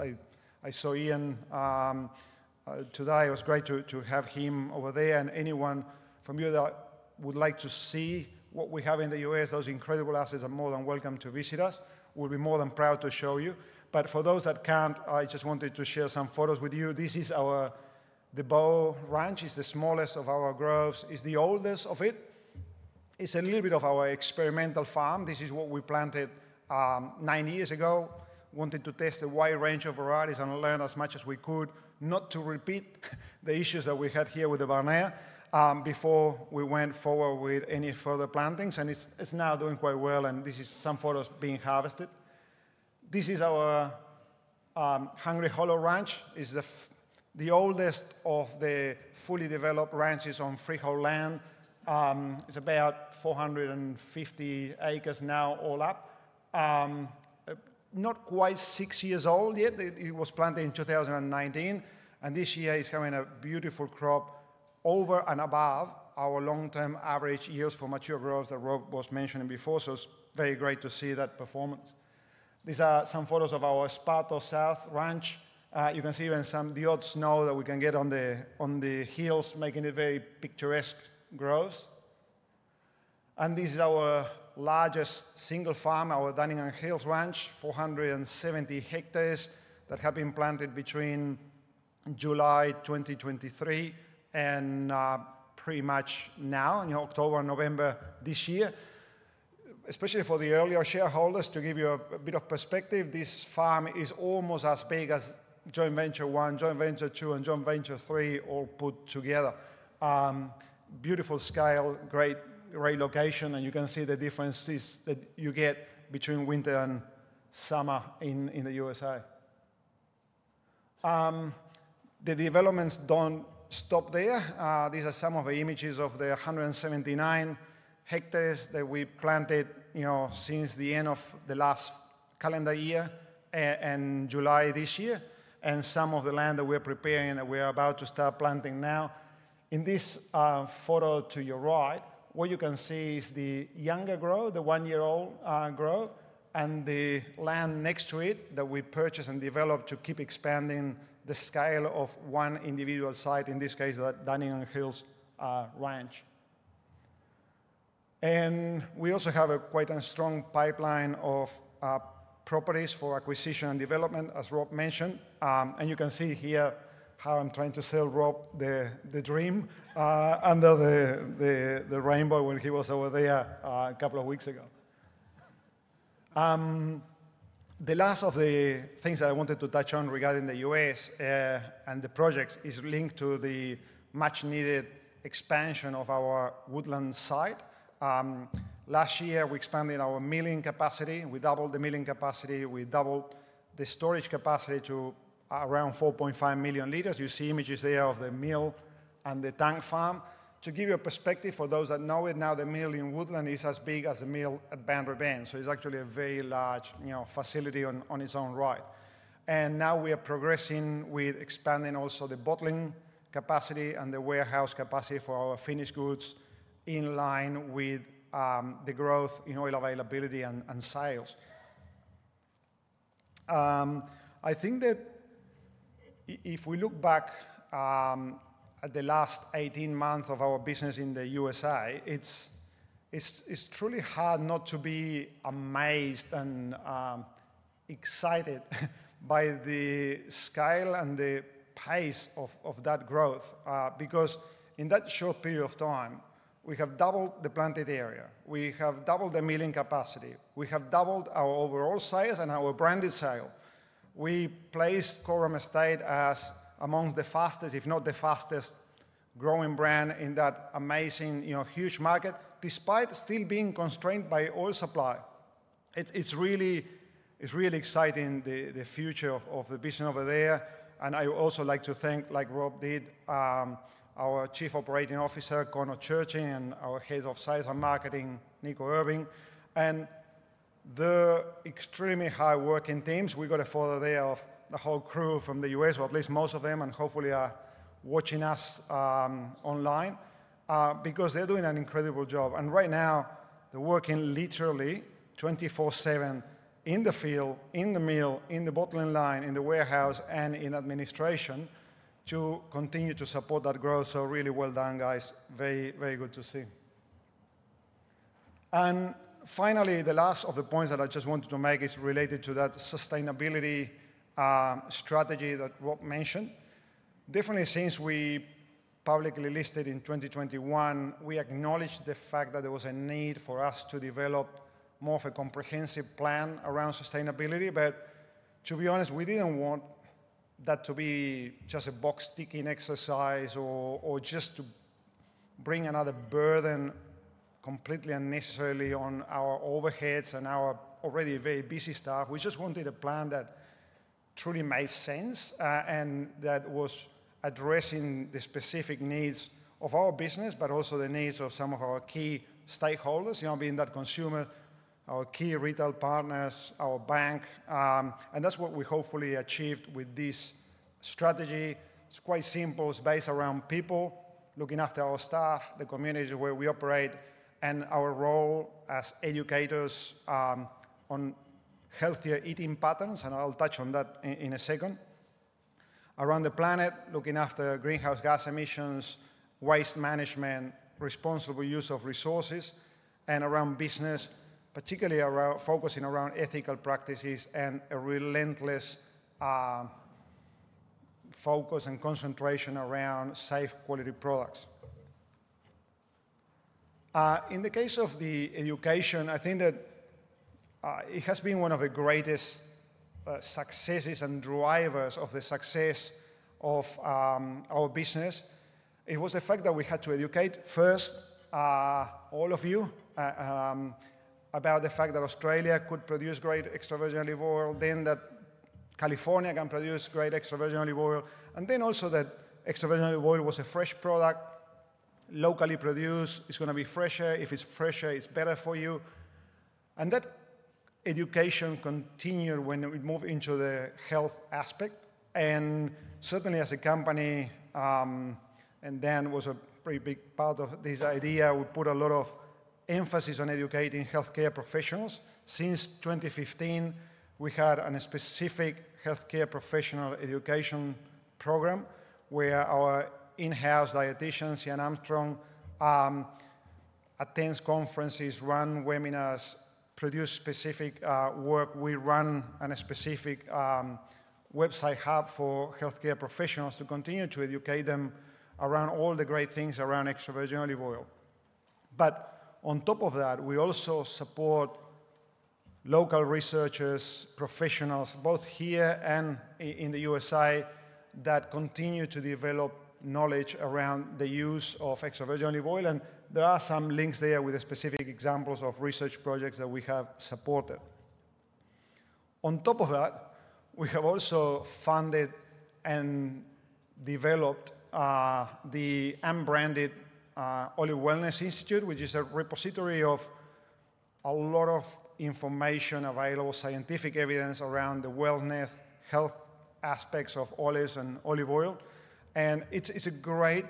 I saw Ian today. It was great to have him over there. Anyone from you that would like to see what we have in the U.S., those incredible assets are more than welcome to visit us. We'll be more than proud to show you. But for those that can't, I just wanted to share some photos with you. This is our DeBow Ranch. It's the smallest of our groves. It's the oldest of it. It's a little bit of our experimental farm. This is what we planted nine years ago. Wanted to test a wide range of varieties and learn as much as we could, not to repeat the issues that we had here with the Barnea before we went forward with any further plantings. And it's now doing quite well. And this is some photos being harvested. This is our Hungry Hollow Ranch. It's the oldest of the fully developed ranches on freehold land. It's about 450 acres now, all up. Not quite six years old yet. It was planted in 2019. And this year, it's having a beautiful crop over and above our long-term average years for mature groves that Rob was mentioning before. So it's very great to see that performance. These are some photos of our Esparto South Ranch. You can see even some of the odd snow that we can get on the hills, making it very picturesque groves. This is our largest single farm, our Dunnigan Hills Ranch, 470 hectares that have been planted between July 2023 and pretty much now in October and November this year. Especially for the earlier shareholders, to give you a bit of perspective, this farm is almost as big as Joint Venture One, Joint Venture Two, and Joint Venture Three, all put together. Beautiful scale, great location. You can see the differences that you get between winter and summer in the U.S.A. The developments don't stop there. These are some of the images of the 179 hectares that we planted since the end of the last calendar year and July this year, and some of the land that we are preparing that we are about to start planting now. In this photo to your right, what you can see is the younger grove, the one-year-old grove, and the land next to it that we purchased and developed to keep expanding the scale of one individual site, in this case, the Dunnigan Hills Ranch. We also have a quite strong pipeline of properties for acquisition and development, as Rob mentioned. You can see here how I'm trying to sell Rob the dream under the rainbow when he was over there a couple of weeks ago. The last of the things that I wanted to touch on regarding the U.S. and the projects is linked to the much-needed expansion of our Woodland site. Last year, we expanded our milling capacity. We doubled the milling capacity. We doubled the storage capacity to around 4.5 million L. You see images there of the mill and the tank farm. To give you a perspective for those that know it now, the mill in Woodland is as big as the mill at Boundary Bend. So it's actually a very large facility in its own right, and now we are progressing with expanding also the bottling capacity and the warehouse capacity for our finished goods in line with the growth in oil availability and sales. I think that if we look back at the last 18 months of our business in the U.S.A., it's truly hard not to be amazed and excited by the scale and the pace of that growth because in that short period of time, we have doubled the planted area. We have doubled the milling capacity. We have doubled our overall size and our branded sale. We placed Cobram Estate as among the fastest, if not the fastest, growing brand in that amazing, huge market, despite still being constrained by oil supply. It's really exciting, the future of the business over there. And I would also like to thank, like Rob did, our Chief Operating Officer, Conor Churchett, and our Head of Sales and Marketing, Nico Urban, and the extremely hardworking teams. We got a photo there of the whole crew from the U.S., or at least most of them, and hopefully are watching us online because they're doing an incredible job. And right now, they're working literally 24/7 in the field, in the mill, in the bottling line, in the warehouse, and in administration to continue to support that growth. So really well done, guys. Very, very good to see. And finally, the last of the points that I just wanted to make is related to that sustainability strategy that Rob mentioned. Definitely, since we publicly listed in 2021, we acknowledged the fact that there was a need for us to develop more of a comprehensive plan around sustainability. But to be honest, we didn't want that to be just a box-ticking exercise or just to bring another burden completely unnecessarily on our overheads and our already very busy staff. We just wanted a plan that truly made sense and that was addressing the specific needs of our business, but also the needs of some of our key stakeholders, being that consumer, our key retail partners, our bank. And that's what we hopefully achieved with this strategy. It's quite simple. It's based around people, looking after our staff, the community where we operate, and our role as educators on healthier eating patterns. And I'll touch on that in a second. Around the planet, looking after greenhouse gas emissions, waste management, responsible use of resources, and around business, particularly focusing around ethical practices and a relentless focus and concentration around safe, quality products. In the case of the education, I think that it has been one of the greatest successes and drivers of the success of our business. It was the fact that we had to educate first all of you about the fact that Australia could produce great extra virgin olive oil, then that California can produce great extra virgin olive oil, and then also that extra virgin olive oil was a fresh product, locally produced. It's going to be fresher. If it's fresher, it's better for you. And that education continued when we moved into the health aspect. And certainly, as a company, and Dan was a pretty big part of this idea, we put a lot of emphasis on educating healthcare professionals. Since 2015, we had a specific healthcare professional education program where our in-house dietitian, Sian Armstrong, attends conferences, runs webinars, produces specific work. We run a specific website hub for healthcare professionals to continue to educate them around all the great things around extra virgin olive oil. But on top of that, we also support local researchers, professionals, both here and in the U.S.A., that continue to develop knowledge around the use of extra virgin olive oil. And there are some links there with specific examples of research projects that we have supported. On top of that, we have also funded and developed the unbranded Olive Wellness Institute, which is a repository of a lot of information available, scientific evidence around the wellness, health aspects of olives and olive oil. And it's a great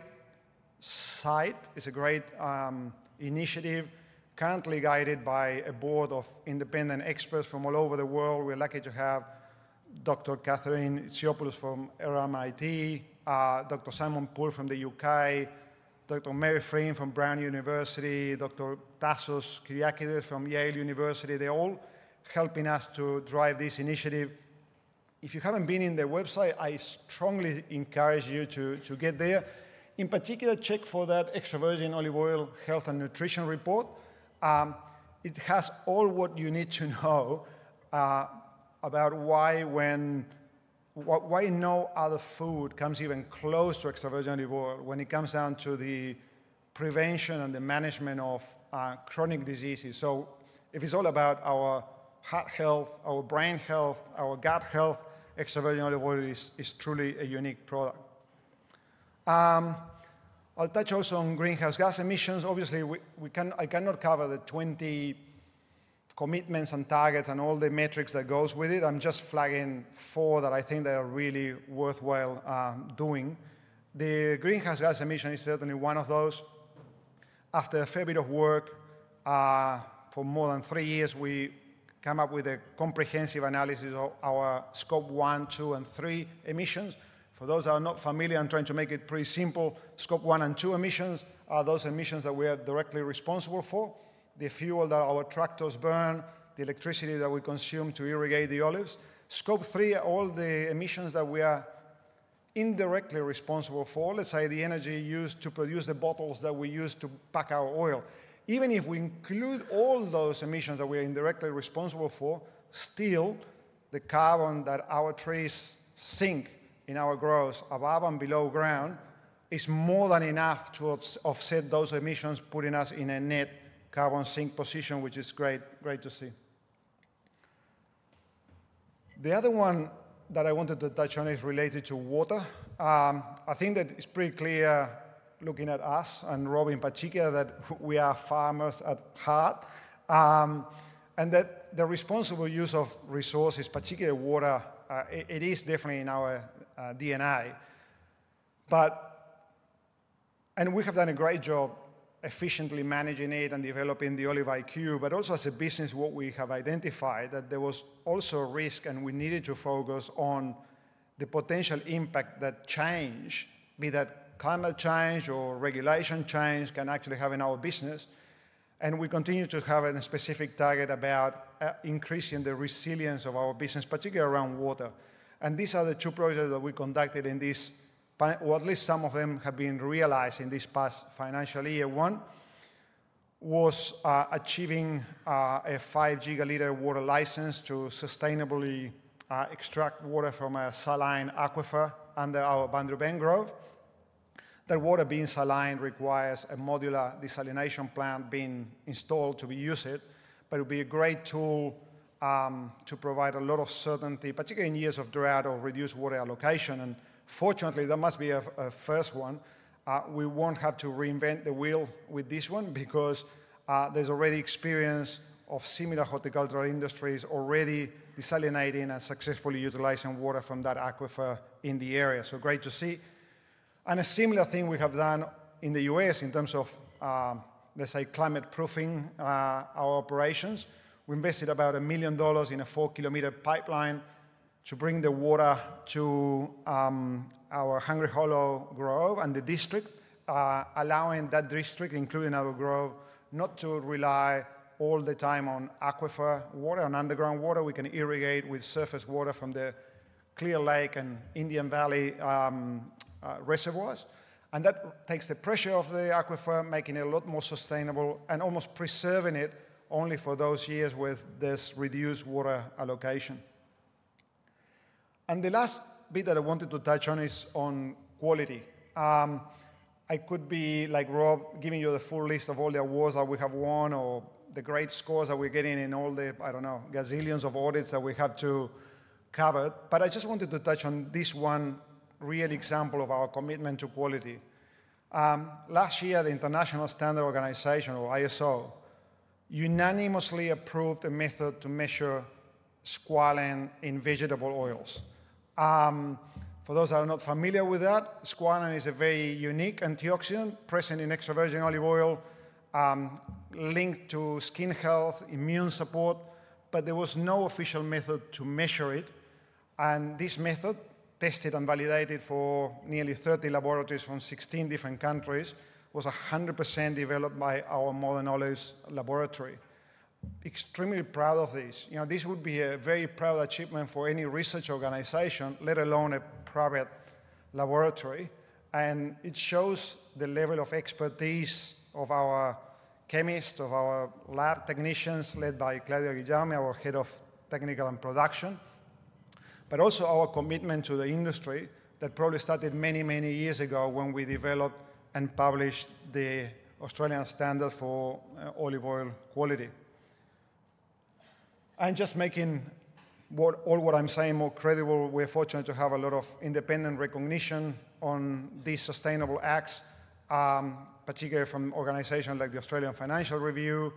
site. It's a great initiative, currently guided by a board of independent experts from all over the world. We're lucky to have Dr. Catherine Itsiopoulos from RMIT, Dr. Simon Poole from the U.K., Dr. Mary Flynn from Brown University, Dr. Tassos Kyriakides from Yale University. They're all helping us to drive this initiative. If you haven't been on their website, I strongly encourage you to get there. In particular, check for that extra virgin olive oil health and nutrition report. It has all what you need to know about why no other food comes even close to extra virgin olive oil when it comes down to the prevention and the management of chronic diseases. So if it's all about our heart health, our brain health, our gut health, extra virgin olive oil is truly a unique product. I'll touch also on greenhouse gas emissions. Obviously, I cannot cover the 20 commitments and targets and all the metrics that go with it. I'm just flagging four that I think that are really worthwhile doing. The greenhouse gas emission is certainly one of those. After a fair bit of work for more than three years, we came up with a comprehensive analysis of our scope one, two, and three emissions. For those that are not familiar, I'm trying to make it pretty simple. Scope 1 and 2 emissions are those emissions that we are directly responsible for: the fuel that our tractors burn, the electricity that we consume to irrigate the olives. Scope 3, all the emissions that we are indirectly responsible for, let's say the energy used to produce the bottles that we use to pack our oil. Even if we include all those emissions that we are indirectly responsible for, still, the carbon that our trees sink in our growth above and below ground is more than enough to offset those emissions, putting us in a net carbon sink position, which is great to see. The other one that I wanted to touch on is related to water. I think that it's pretty clear, looking at us and Rob and Patricia, that we are farmers at heart and that the responsible use of resources, particularly water, it is definitely in our DNA, and we have done a great job efficiently managing it and developing the Olive.iQ, but also as a business, what we have identified that there was also a risk, and we needed to focus on the potential impact that change, be that climate change or regulation change can actually have in our business, and we continue to have a specific target about increasing the resilience of our business, particularly around water. And these are the two projects that we conducted in this, or at least some of them have been realized in this past financial year. One was achieving a five-gigaL water license to sustainably extract water from a saline aquifer under our Boundary Bend Grove. That water being saline requires a modular desalination plant being installed to use it, but it would be a great tool to provide a lot of certainty, particularly in years of drought or reduced water allocation. And fortunately, that must be a first one. We won't have to reinvent the wheel with this one because there's already experience of similar horticultural industries already desalinating and successfully utilizing water from that aquifer in the area. So great to see. And a similar thing we have done in the U.S. in terms of, let's say, climate-proofing our operations. We invested about $1 million in a four-kilometer pipeline to bring the water to our Hungry Hollow Grove and the district, allowing that district, including our grove, not to rely all the time on aquifer water and underground water. We can irrigate with surface water from the Clear Lake and Indian Valley reservoirs. That takes the pressure off the aquifer, making it a lot more sustainable and almost preserving it only for those years with this reduced water allocation. The last bit that I wanted to touch on is on quality. I could be like Rob, giving you the full list of all the awards that we have won or the great scores that we're getting in all the, I don't know, gazillions of audits that we have to cover. I just wanted to touch on this one real example of our commitment to quality. Last year, the International Standard Organization, or ISO, unanimously approved a method to measure squalene in vegetable oils. For those that are not familiar with that, squalene is a very unique antioxidant present in extra virgin olive oil, linked to skin health, immune support, but there was no official method to measure it. This method, tested and validated for nearly 30 laboratories from 16 different countries, was 100% developed by our Modern Olives laboratory. Extremely proud of this. This would be a very proud achievement for any research organization, let alone a private laboratory. It shows the level of expertise of our chemists, of our lab technicians led by Claudia Guillaume, our head of technical and production, but also our commitment to the industry that probably started many, many years ago when we developed and published the Australian Standard for Olive Oil Quality. And just making all what I'm saying more credible, we're fortunate to have a lot of independent recognition on these sustainable acts, particularly from organizations like the Australian Financial Review,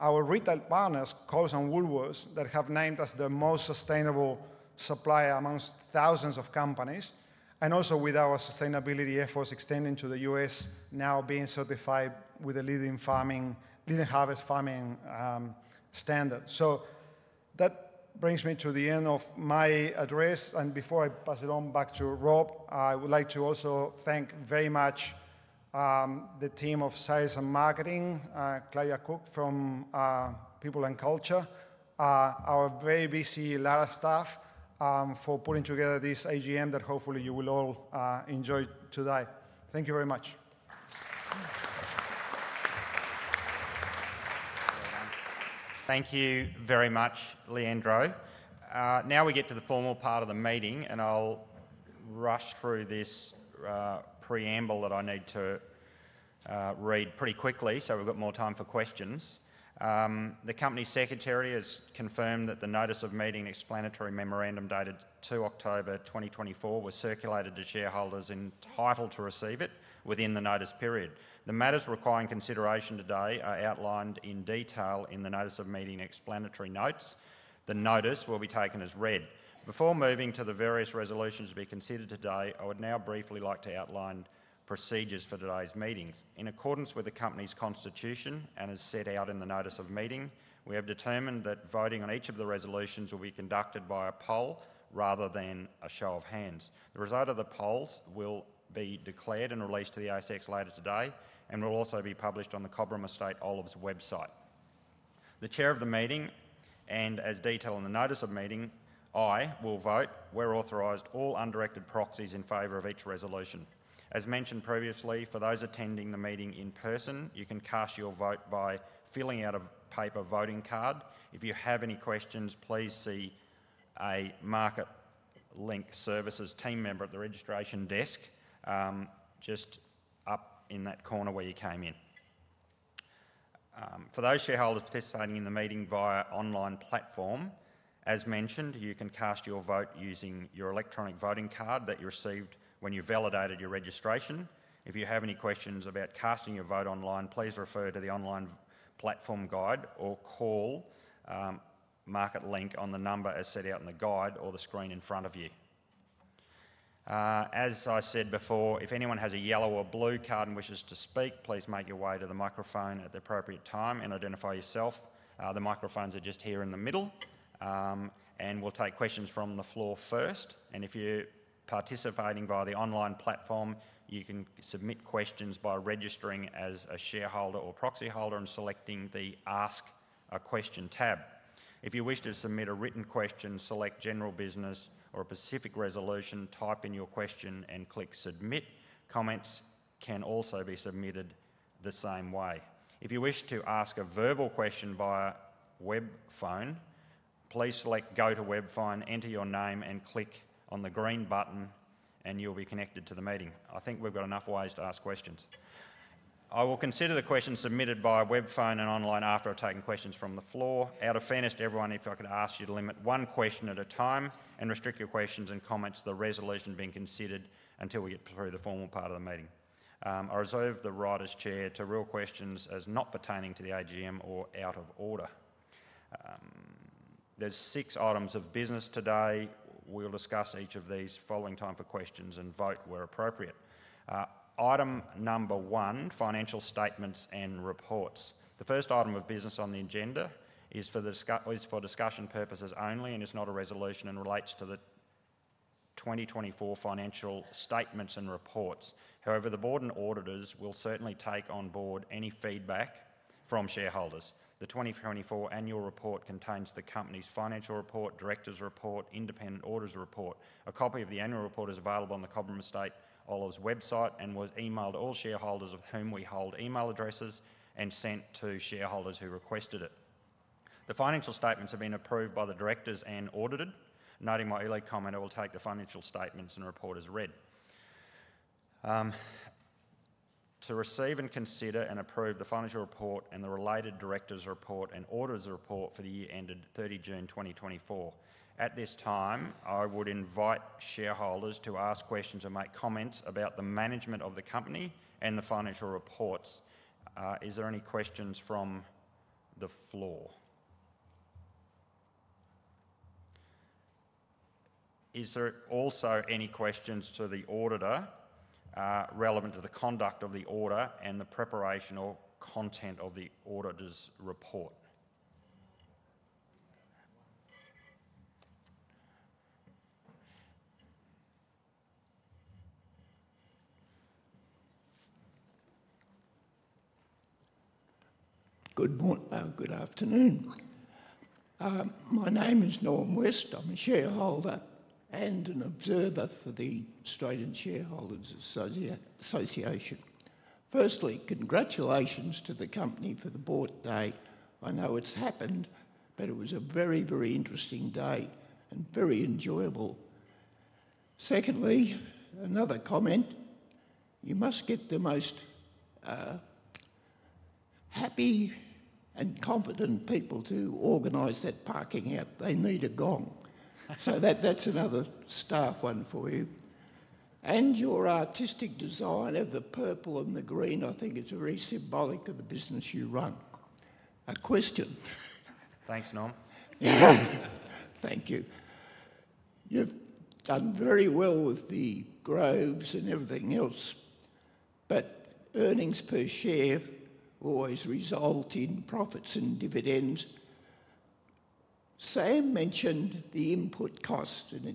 our retail partners, Coles and Woolworths, that have named us the most sustainable supplier amongst thousands of companies, and also with our sustainability efforts extending to the US, now being certified with the Leading Harvest farming standard. So that brings me to the end of my address. And before I pass it on back to Rob, I would like to also thank very much the team of Sales and Marketing, Claudia Cook from People and Culture, our very busy Lara staff for putting together this AGM that hopefully you will all enjoy today. Thank you very much. Thank you very much, Leandro. Now we get to the formal part of the meeting, and I'll rush through this preamble that I need to read pretty quickly so we've got more time for questions. The company secretary has confirmed that the notice of meeting explanatory memorandum dated 2 October 2024 was circulated to shareholders entitled to receive it within the notice period. The matters requiring consideration today are outlined in detail in the notice of meeting explanatory notes. The notice will be taken as read. Before moving to the various resolutions to be considered today, I would now briefly like to outline procedures for today's meetings. In accordance with the company's constitution and as set out in the notice of meeting, we have determined that voting on each of the resolutions will be conducted by a poll rather than a show of hands. The result of the polls will be declared and released to the ASX later today and will also be published on the Cobram Estate Olives website. The chair of the meeting, and as detailed in the notice of meeting, I will vote where authorized all undirected proxies in favor of each resolution. As mentioned previously, for those attending the meeting in person, you can cast your vote by filling out a paper voting card. If you have any questions, please see a Link Market Services team member at the registration desk just up in that corner where you came in. For those shareholders participating in the meeting via online platform, as mentioned, you can cast your vote using your electronic voting card that you received when you validated your registration. If you have any questions about casting your vote online, please refer to the online platform guide or call Link Market Services on the number as set out in the guide or the screen in front of you. As I said before, if anyone has a yellow or blue card and wishes to speak, please make your way to the microphone at the appropriate time and identify yourself. The microphones are just here in the middle, and we'll take questions from the floor first, and if you're participating via the online platform, you can submit questions by registering as a shareholder or proxy holder and selecting the Ask a Question tab. If you wish to submit a written question, select General Business or a specific resolution, type in your question, and click Submit. Comments can also be submitted the same way. If you wish to ask a verbal question via web phone, please select Go to Web Phone, enter your name, and click on the green button, and you'll be connected to the meeting. I think we've got enough ways to ask questions. I will consider the questions submitted via web phone and online after I've taken questions from the floor. Out of fairness to everyone, if I could ask you to limit one question at a time and restrict your questions and comments to the resolution being considered until we get through the formal part of the meeting. I reserve the right as chair to rule questions as not pertaining to the AGM or out of order. There's six items of business today. We'll discuss each of these following time for questions and vote where appropriate. Item number one, financial statements and reports. The first item of business on the agenda is for discussion purposes only, and it's not a resolution and relates to the 2024 financial statements and reports. However, the board and auditors will certainly take on board any feedback from shareholders. The 2024 annual report contains the company's financial report, director's report, independent auditor's report. A copy of the annual report is available on the Cobram Estate Olives website and was emailed to all shareholders of whom we hold email addresses and sent to shareholders who requested it. The financial statements have been approved by the directors and audited. Noting my earlier comment, I will take the financial statements and report as read. To receive and consider and approve the financial report and the related director's report and auditor's report for the year ended 30 June 2024. At this time, I would invite shareholders to ask questions and make comments about the management of the company and the financial reports. Is there any questions from the floor? Is there also any questions to the auditor relevant to the conduct of the audit and the preparation or content of the auditor's report? Good afternoon. My name is Norm West. I'm a shareholder and an observer for the Australian Shareholders Association. Firstly, congratulations to the company for the board day. I know it's happened, but it was a very, very interesting day and very enjoyable. Secondly, another comment. You must get the most happy and confident people to organize that parking yet. They need a gong. So that's another staff win for you. And your artistic design of the purple and the green, I think it's very symbolic of the business you run. A question. Thanks, Norm. Thank you. You've done very well with the groves and everything else, but earnings per share always result in profits and dividends. Sam mentioned the input cost, and he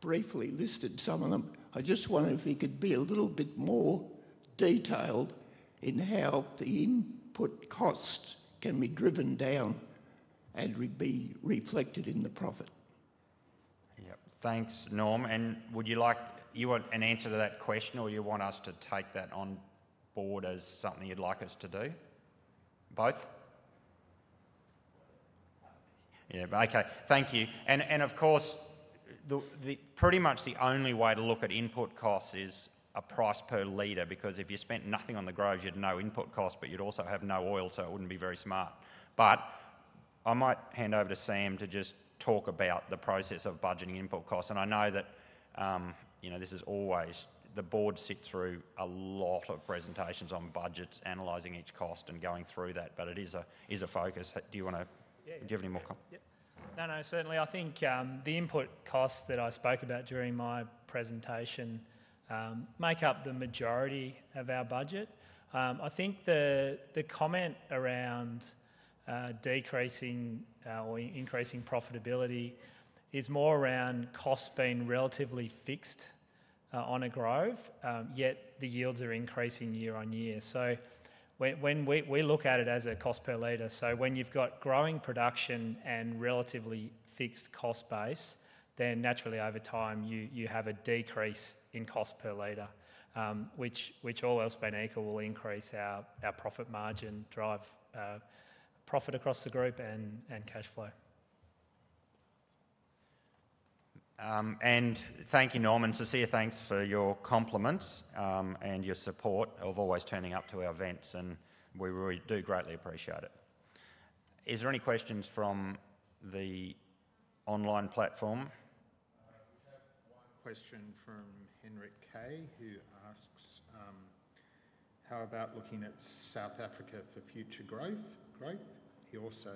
briefly listed some of them. I just wondered if he could be a little bit more detailed in how the input costs can be driven down and be reflected in the profit. Yep. Thanks, Norm. And would you like an answer to that question, or you want us to take that on board as something you'd like us to do? Both? Yeah. Okay. Thank you. And of course, pretty much the only way to look at input costs is a price per L, because if you spent nothing on the groves, you'd know input costs, but you'd also have no oil, so it wouldn't be very smart. But I might hand over to Sam to just talk about the process of budgeting input costs. And I know that this is always the board sits through a lot of presentations on budgets, analyzing each cost and going through that, but it is a focus. Do you want to? Do you have any more? No, no. Certainly. I think the input costs that I spoke about during my presentation make up the majority of our budget. I think the comment around decreasing or increasing profitability is more around costs being relatively fixed on a grove, yet the yields are increasing year on year. So we look at it as a cost per L. So when you've got growing production and relatively fixed cost base, then naturally over time you have a decrease in cost per L, which all else being equal will increase our profit margin, drive profit across the group and cash flow. And thank you, Norm. And Cecilia, thanks for your compliments and your support of always turning up to our events, and we do greatly appreciate it. Is there any questions from the online platform? We have one question from Henrik Kay, who asks, how about looking at South Africa for future growth? He also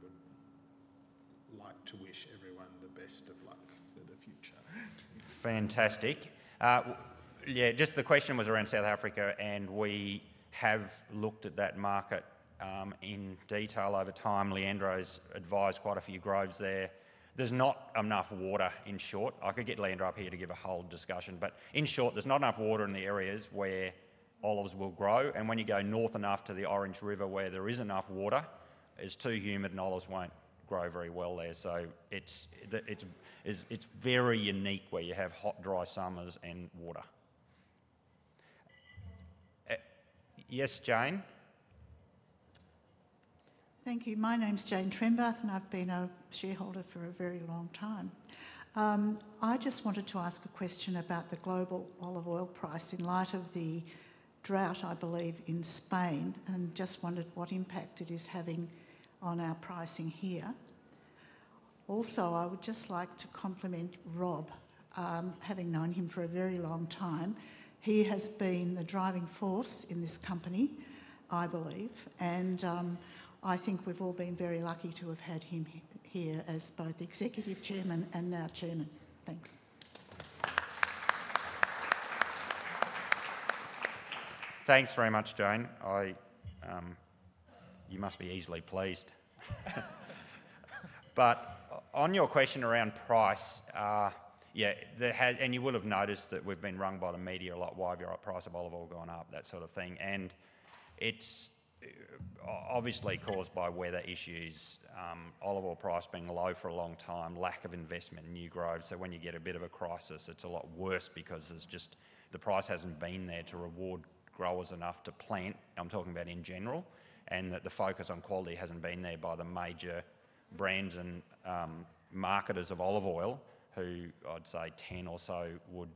would like to wish everyone the best of luck for the future. Fantastic. Yeah, just the question was around South Africa, and we have looked at that market in detail over time. Leandro's advised quite a few groves there. There's not enough water. In short, I could get Leandro up here to give a whole discussion, but in short, there's not enough water in the areas where olives will grow. And when you go north enough to the Orange River where there is enough water, it's too humid and olives won't grow very well there. So it's very unique where you have hot, dry summers and water. Yes, Jane? Thank you. My name's Jane Trembath, and I've been a shareholder for a very long time. I just wanted to ask a question about the global olive oil price in light of the drought, I believe, in Spain, and just wondered what impact it is having on our pricing here. Also, I would just like to compliment Rob, having known him for a very long time. He has been the driving force in this company, I believe, and I think we've all been very lucky to have had him here as both executive chairman and now chairman. Thanks. Thanks very much, Jane. You must be easily pleased. But on your question around price, yeah, and you will have noticed that we've been wronged by the media a lot, why have your price of olive oil gone up, that sort of thing. And it's obviously caused by weather issues, olive oil price being low for a long time, lack of investment in new groves. So when you get a bit of a crisis, it's a lot worse because the price hasn't been there to reward growers enough to plant. I'm talking about in general, and that the focus on quality hasn't been there by the major brands and marketers of olive oil who, I'd say 10 or so would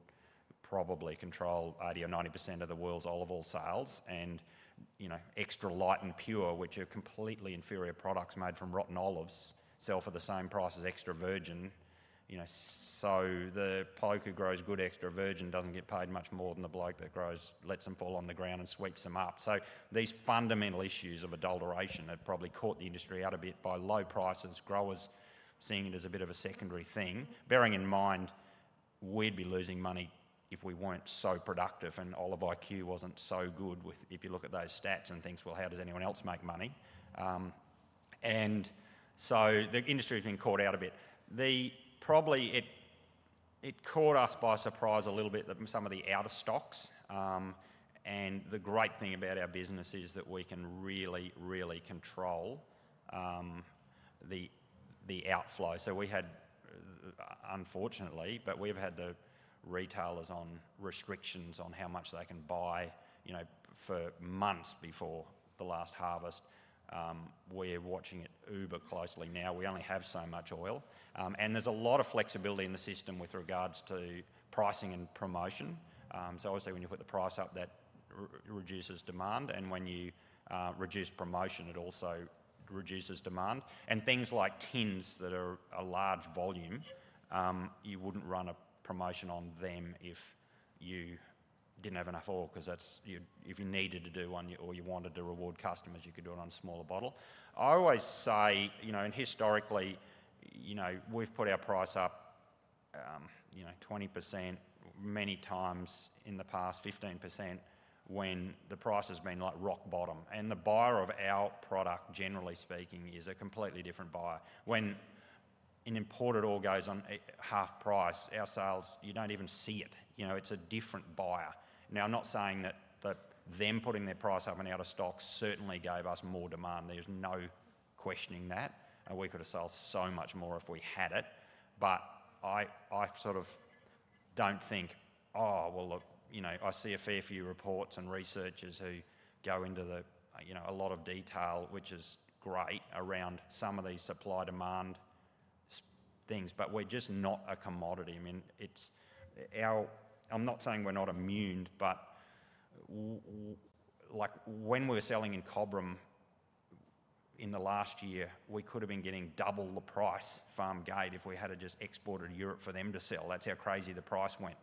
probably control 80 or 90% of the world's olive oil sales. And extra light and pure, which are completely inferior products made from rotten olives, sell for the same price as extra virgin. So the grower grows good extra virgin, doesn't get paid much more than the bloke that grows, lets them fall on the ground and sweeps them up. These fundamental issues of adulteration have probably caught the industry out a bit by low prices, growers seeing it as a bit of a secondary thing, bearing in mind we'd be losing money if we weren't so productive and Olive.iQ wasn't so good with, if you look at those stats and think, well, how does anyone else make money, and so the industry has been caught out a bit. Probably it caught us by surprise a little bit that some of the older stocks, and the great thing about our business is that we can really, really control the outflow, so we had, unfortunately, but we've had the retailers on restrictions on how much they can buy for months before the last harvest. We're watching it uber closely now. We only have so much oil. And there's a lot of flexibility in the system with regards to pricing and promotion. So obviously, when you put the price up, that reduces demand. And when you reduce promotion, it also reduces demand. And things like tins that are a large volume, you wouldn't run a promotion on them if you didn't have enough oil because if you needed to do one or you wanted to reward customers, you could do it on a smaller bottle. I always say, historically, we've put our price up 20% many times in the past, 15% when the price has been like rock bottom. And the buyer of our product, generally speaking, is a completely different buyer. When an imported oil goes on half price, our sales you don't even see it. It's a different buyer. Now, I'm not saying that them putting their price up and out of stock certainly gave us more demand. There's no questioning that. And we could have sold so much more if we had it. But I sort of don't think, oh, well, look, I see a fair few reports and researchers who go into a lot of detail, which is great around some of these supply-demand things, but we're just not a commodity. I mean, I'm not saying we're not immune, but when we were selling in Cobram in the last year, we could have been getting double the price at gate if we had just exported to Europe for them to sell. That's how crazy the price went.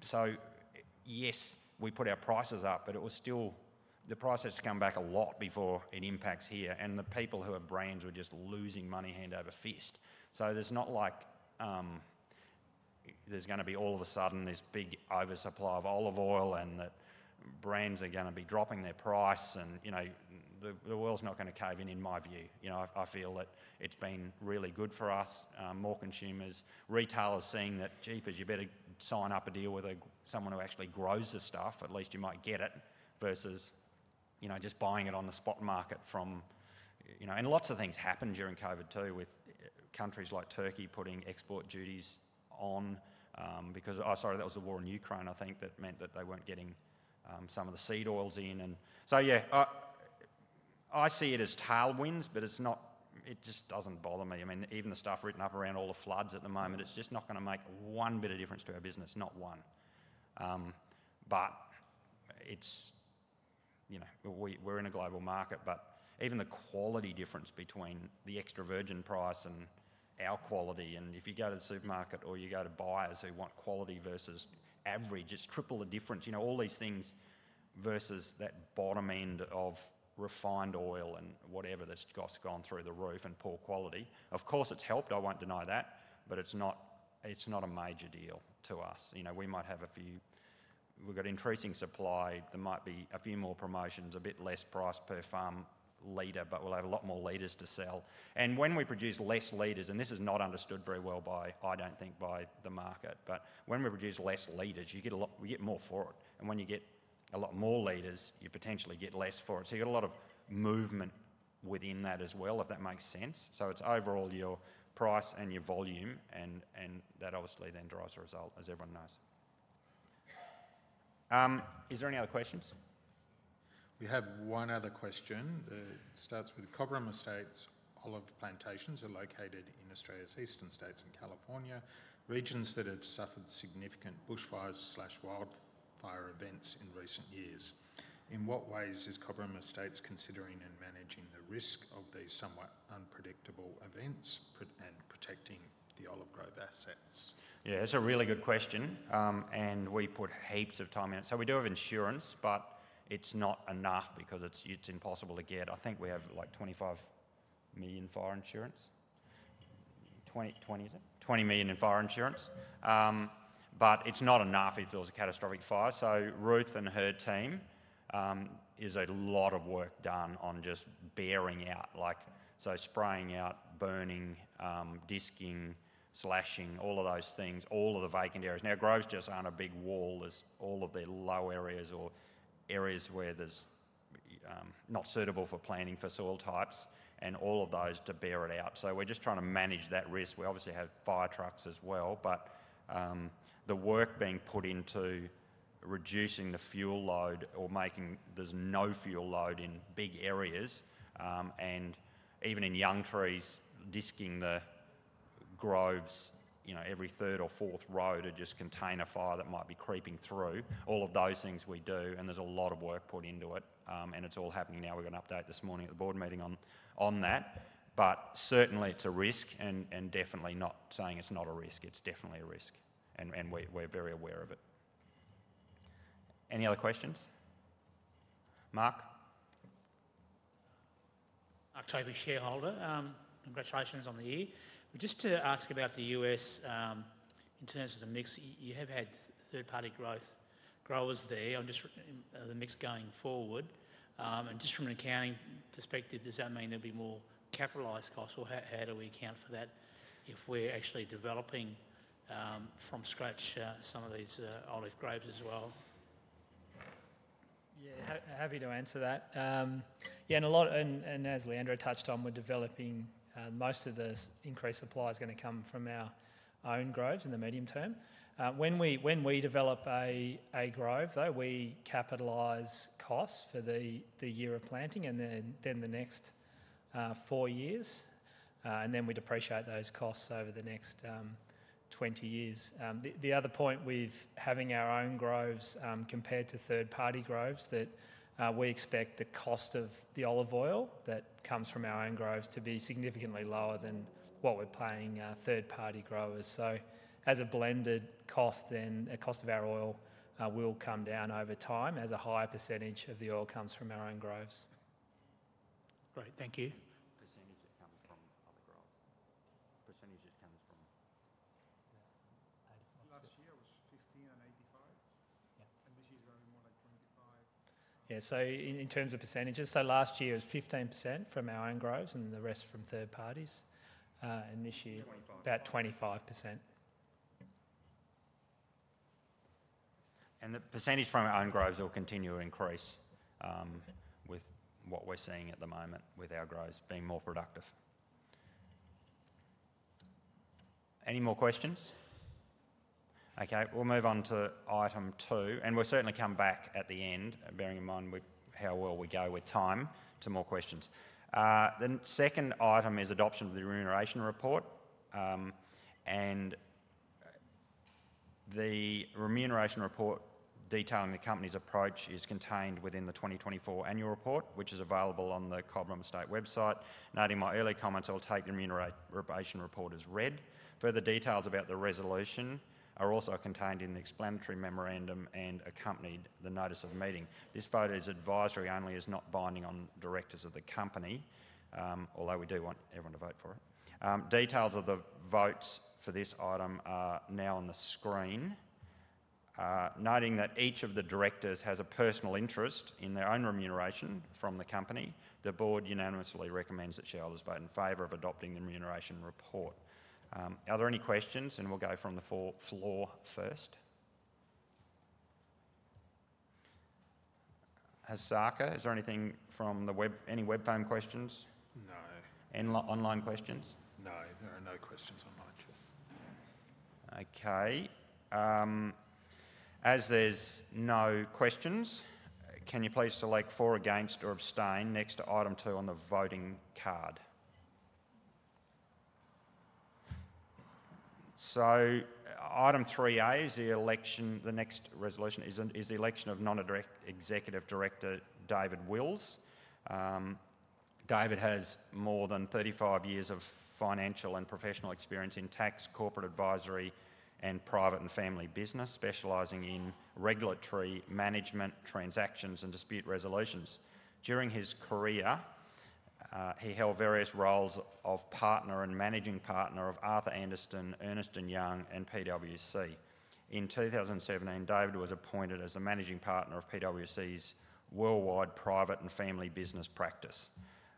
So yes, we put our prices up, but it was still the price has to come back a lot before it impacts here. The people who have brands were just losing money hand over fist. So there's not like there's going to be all of a sudden this big oversupply of olive oil and that brands are going to be dropping their price. The world's not going to cave in, in my view. I feel that it's been really good for us, more consumers. Retailers seeing that cheap is you better sign up a deal with someone who actually grows the stuff, at least you might get it versus just buying it on the spot market from and lots of things happened during COVID too with countries like Turkey putting export duties on because I'm sorry, that was the war in Ukraine. I think that meant that they weren't getting some of the seed oils in. So yeah, I see it as tailwinds, but it just doesn't bother me. I mean, even the stuff written up around all the floods at the moment, it's just not going to make one bit of difference to our business, not one. But we're in a global market, but even the quality difference between the extra virgin price and our quality. And if you go to the supermarket or you go to buyers who want quality versus average, it's triple the difference. All these things versus that bottom end of refined oil and whatever that's gone through the roof and poor quality. Of course, it's helped, I won't deny that, but it's not a major deal to us. We might have a few we've got increasing supply. There might be a few more promotions, a bit less price per farm L, but we'll have a lot more L to sell. And when we produce less L, and this is not understood very well by, I don't think, by the market, but when we produce less L, we get more for it. And when you get a lot more L, you potentially get less for it. So you get a lot of movement within that as well, if that makes sense. So it's overall your price and your volume, and that obviously then drives the result, as everyone knows. Is there any other questions? We have one other question. It starts with Cobram Estate's. Olive plantations are located in Australia's eastern states and California, regions that have suffered significant bushfires/wildfire events in recent years. In what ways is Cobram Estate considering and managing the risk of these somewhat unpredictable events and protecting the olive grove assets? Yeah, that's a really good question. And we put heaps of time in it. So we do have insurance, but it's not enough because it's impossible to get. I think we have like 25 million fire insurance. 20, 20 is it? 20 million in fire insurance. But it's not enough if there's a catastrophic fire. Ruth and her team is a lot of work done on just bearing out, so spraying out, burning, disking, slashing, all of those things, all of the vacant areas. Now, groves just aren't a big wall. There's all of the low areas or areas where there's not suitable for planting for soil types and all of those to bear it out. We're just trying to manage that risk. We obviously have fire trucks as well, but the work being put into reducing the fuel load or making there's no fuel load in big areas. And even in young trees, disking the groves, every third or fourth row to just contain a fire that might be creeping through. All of those things we do, and there's a lot of work put into it, and it's all happening now. We're going to update this morning at the board meeting on that. But certainly, it's a risk, and definitely not saying it's not a risk. It's definitely a risk, and we're very aware of it. Any other questions? Mark? Octavia, shareholder, congratulations on the year. Just to ask about the U.S. in terms of the mix, you have had third-party growers there on the mix going forward. And just from an accounting perspective, does that mean there'll be more capitalized costs, or how do we account for that if we're actually developing from scratch some of these olive groves as well? Yeah, happy to answer that. Yeah, and as Leandro touched on, we're developing most of the increased supply is going to come from our own groves in the medium term. When we develop a grove, though, we capitalize costs for the year of planting and then the next four years. And then we depreciate those costs over the next 20 years. The other point with having our own groves compared to third-party groves is that we expect the cost of the olive oil that comes from our own groves to be significantly lower than what we're paying third-party growers. So as a blended cost, then the cost of our oil will come down over time as a higher percentage of the oil comes from our own groves. Great, thank you. Percentage that comes from other groves? Percentage that comes from? 85%. Last year was 15% and 85%. And this year is going to be more like 25%. Yeah, so in terms of percentages, so last year was 15% from our own groves and the rest from third parties. And this year, about 25%. And the percentage from our own groves will continue to increase with what we're seeing at the moment with our groves being more productive. Any more questions? Okay, we'll move on to item two. And we'll certainly come back at the end, bearing in mind how well we go with time, to more questions. The second item is adoption of the remuneration report. And the remuneration report detailing the company's approach is contained within the 2024 annual report, which is available on the Cobram Estate website. Noting my early comments, I'll take the remuneration report as read. Further details about the resolution are also contained in the explanatory memorandum and accompanied the notice of meeting. This vote is advisory only, is not binding on directors of the company, although we do want everyone to vote for it. Details of the votes for this item are now on the screen. Noting that each of the directors has a personal interest in their own remuneration from the company, the board unanimously recommends that shareholders vote in favor of adopting the remuneration report. Are there any questions? And we'll go from the floor first. Hasaka, is there anything from the web? Any webcam questions? No. Online questions? No, there are no questions online chat. Okay. As there's no questions, can you please select for, against or abstain next to item two on the voting card? So item 3A is the next resolution is the election of Non-executive Director David Wills. David has more than 35 years of financial and professional experience in tax, corporate advisory, and private and family business, specializing in regulatory management, transactions, and dispute resolutions. During his career, he held various roles of partner and managing partner of Arthur Andersen, Ernst & Young, and PWC. In 2017, David was appointed as the managing partner of PWC's worldwide private and family business practice.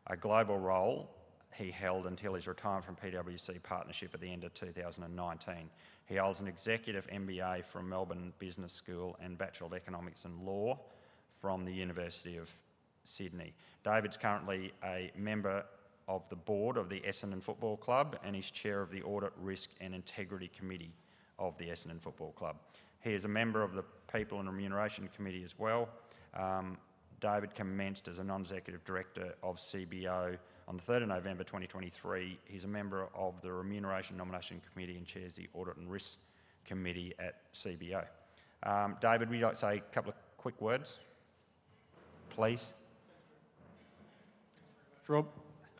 A global role, he held until his retirement from PWC partnership at the end of 2019. He holds an executive MBA from Melbourne Business School and Bachelor of Economics and Law from the University of Sydney. David is currently a member of the board of the Essendon Football Club and is chair of the Audit Risk and Integrity Committee of the Essendon Football Club. He is a member of the People and Remuneration Committee as well. David commenced as a non-executive director of CBO on the 3rd of November 2023. He's a member of the Remuneration Nomination Committee and chairs the Audit and Risk Committee at CBO. David, would you like to say a couple of quick words? Please. Thanks,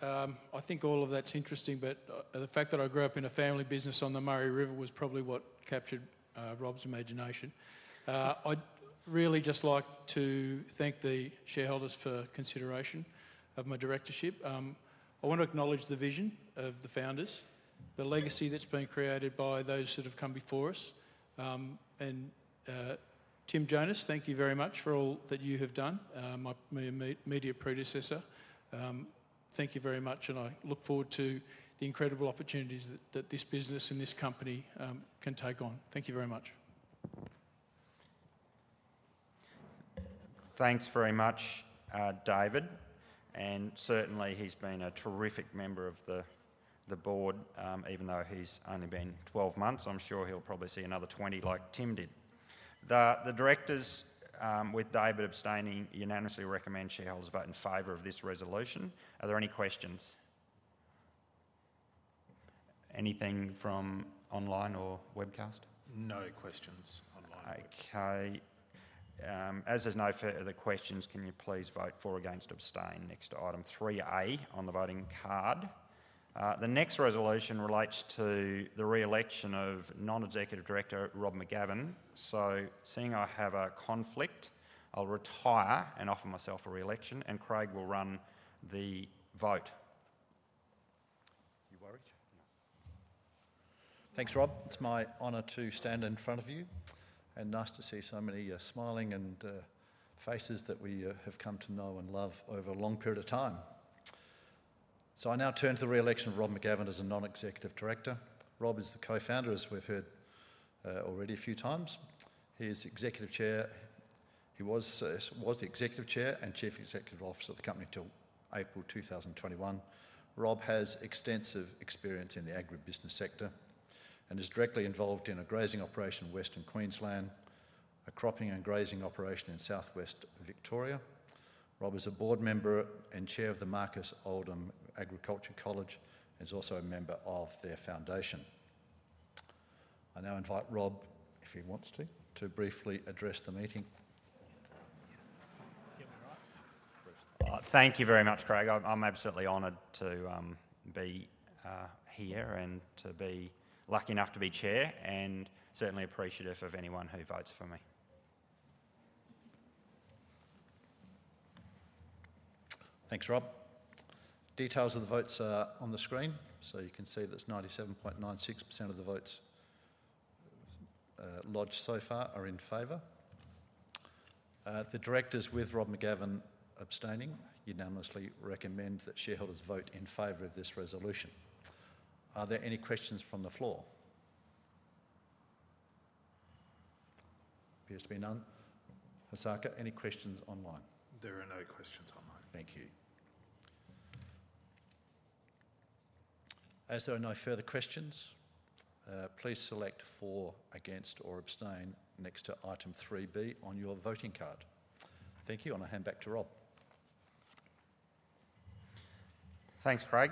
Rob. I think all of that's interesting, but the fact that I grew up in a family business on the Murray River was probably what captured Rob's imagination. I'd really just like to thank the shareholders for consideration of my directorship. I want to acknowledge the vision of the founders, the legacy that's been created by those that have come before us. And Tim Jonas, thank you very much for all that you have done. My immediate predecessor. Thank you very much, and I look forward to the incredible opportunities that this business and this company can take on. Thank you very much. Thanks very much, David. And certainly, he's been a terrific member of the board. Even though he's only been 12 months, I'm sure he'll probably see another 20 like Tim did. The directors, with David abstaining, unanimously recommend shareholders vote in favor of this resolution. Are there any questions? Anything from online or webcast? No questions online. Okay. As there's no further questions, can you please vote for against abstain next to item 3A on the voting card? The next resolution relates to the re-election of non-executive director Rob McGavin. So seeing I have a conflict, I'll retire and offer myself a re-election, and Craig will run the vote. You worried? No. Thanks, Rob. It's my honor to stand in front of you and nice to see so many smiling faces that we have come to know and love over a long period of time. So I now turn to the re-election of Rob McGavin as a non-executive director. Rob is the co-founder, as we've heard already a few times. He was the executive chair and Chief Executive Officer of the company until April 2021. Rob has extensive experience in the agribusiness sector and is directly involved in a grazing operation in Western Queensland, a cropping and grazing operation in southwest Victoria. Rob is a board member and chair of the Marcus Oldham College and is also a member of their foundation. I now invite Rob, if he wants to, to briefly address the meeting. Thank you very much, Craig. I'm absolutely honored to be here and to be lucky enough to be chair and certainly appreciative of anyone who votes for me. Thanks, Rob. Details of the votes are on the screen, so you can see that 97.96% of the votes lodged so far are in favor. The directors with Rob McGavin abstaining. You unanimously recommend that shareholders vote in favor of this resolution. Are there any questions from the floor? Appears to be none. Hasaka, any questions online? There are no questions online. Thank you. As there are no further questions, please select for against or abstain next to item 3B on your voting card. Thank you. I'll now hand back to Rob. Thanks, Craig.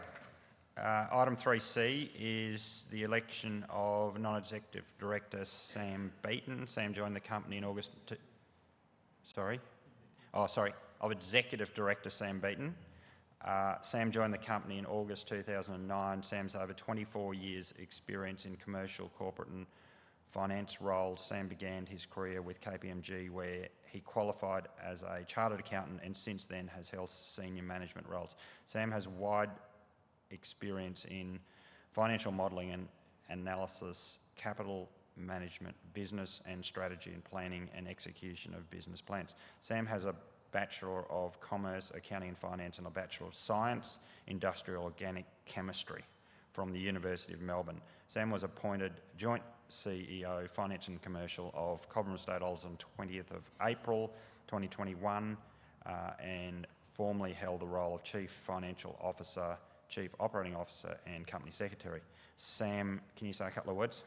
Item 3C is the election of non-executive director Sam Beaton. Sam joined the company in August. Sorry. Oh, sorry. Of executive director Sam Beaton. Sam joined the company in August 2009. Sam's over 24 years' experience in commercial, corporate, and finance roles. Sam began his career with KPMG, where he qualified as a chartered accountant and since then has held senior management roles. Sam has wide experience in financial modelling and analysis, capital management, business and strategy, and planning and execution of business plans. Sam has a Bachelor of Commerce, Accounting and Finance, and a Bachelor of Science, Industrial Organic Chemistry from the University of Melbourne. Sam was appointed Joint CEO, Finance and Commercial of Cobram Estate Olives on 20th of April 2021 and formerly held the role of Chief Financial Officer, Chief Operating Officer, and Company Secretary. Sam, can you say a couple of words?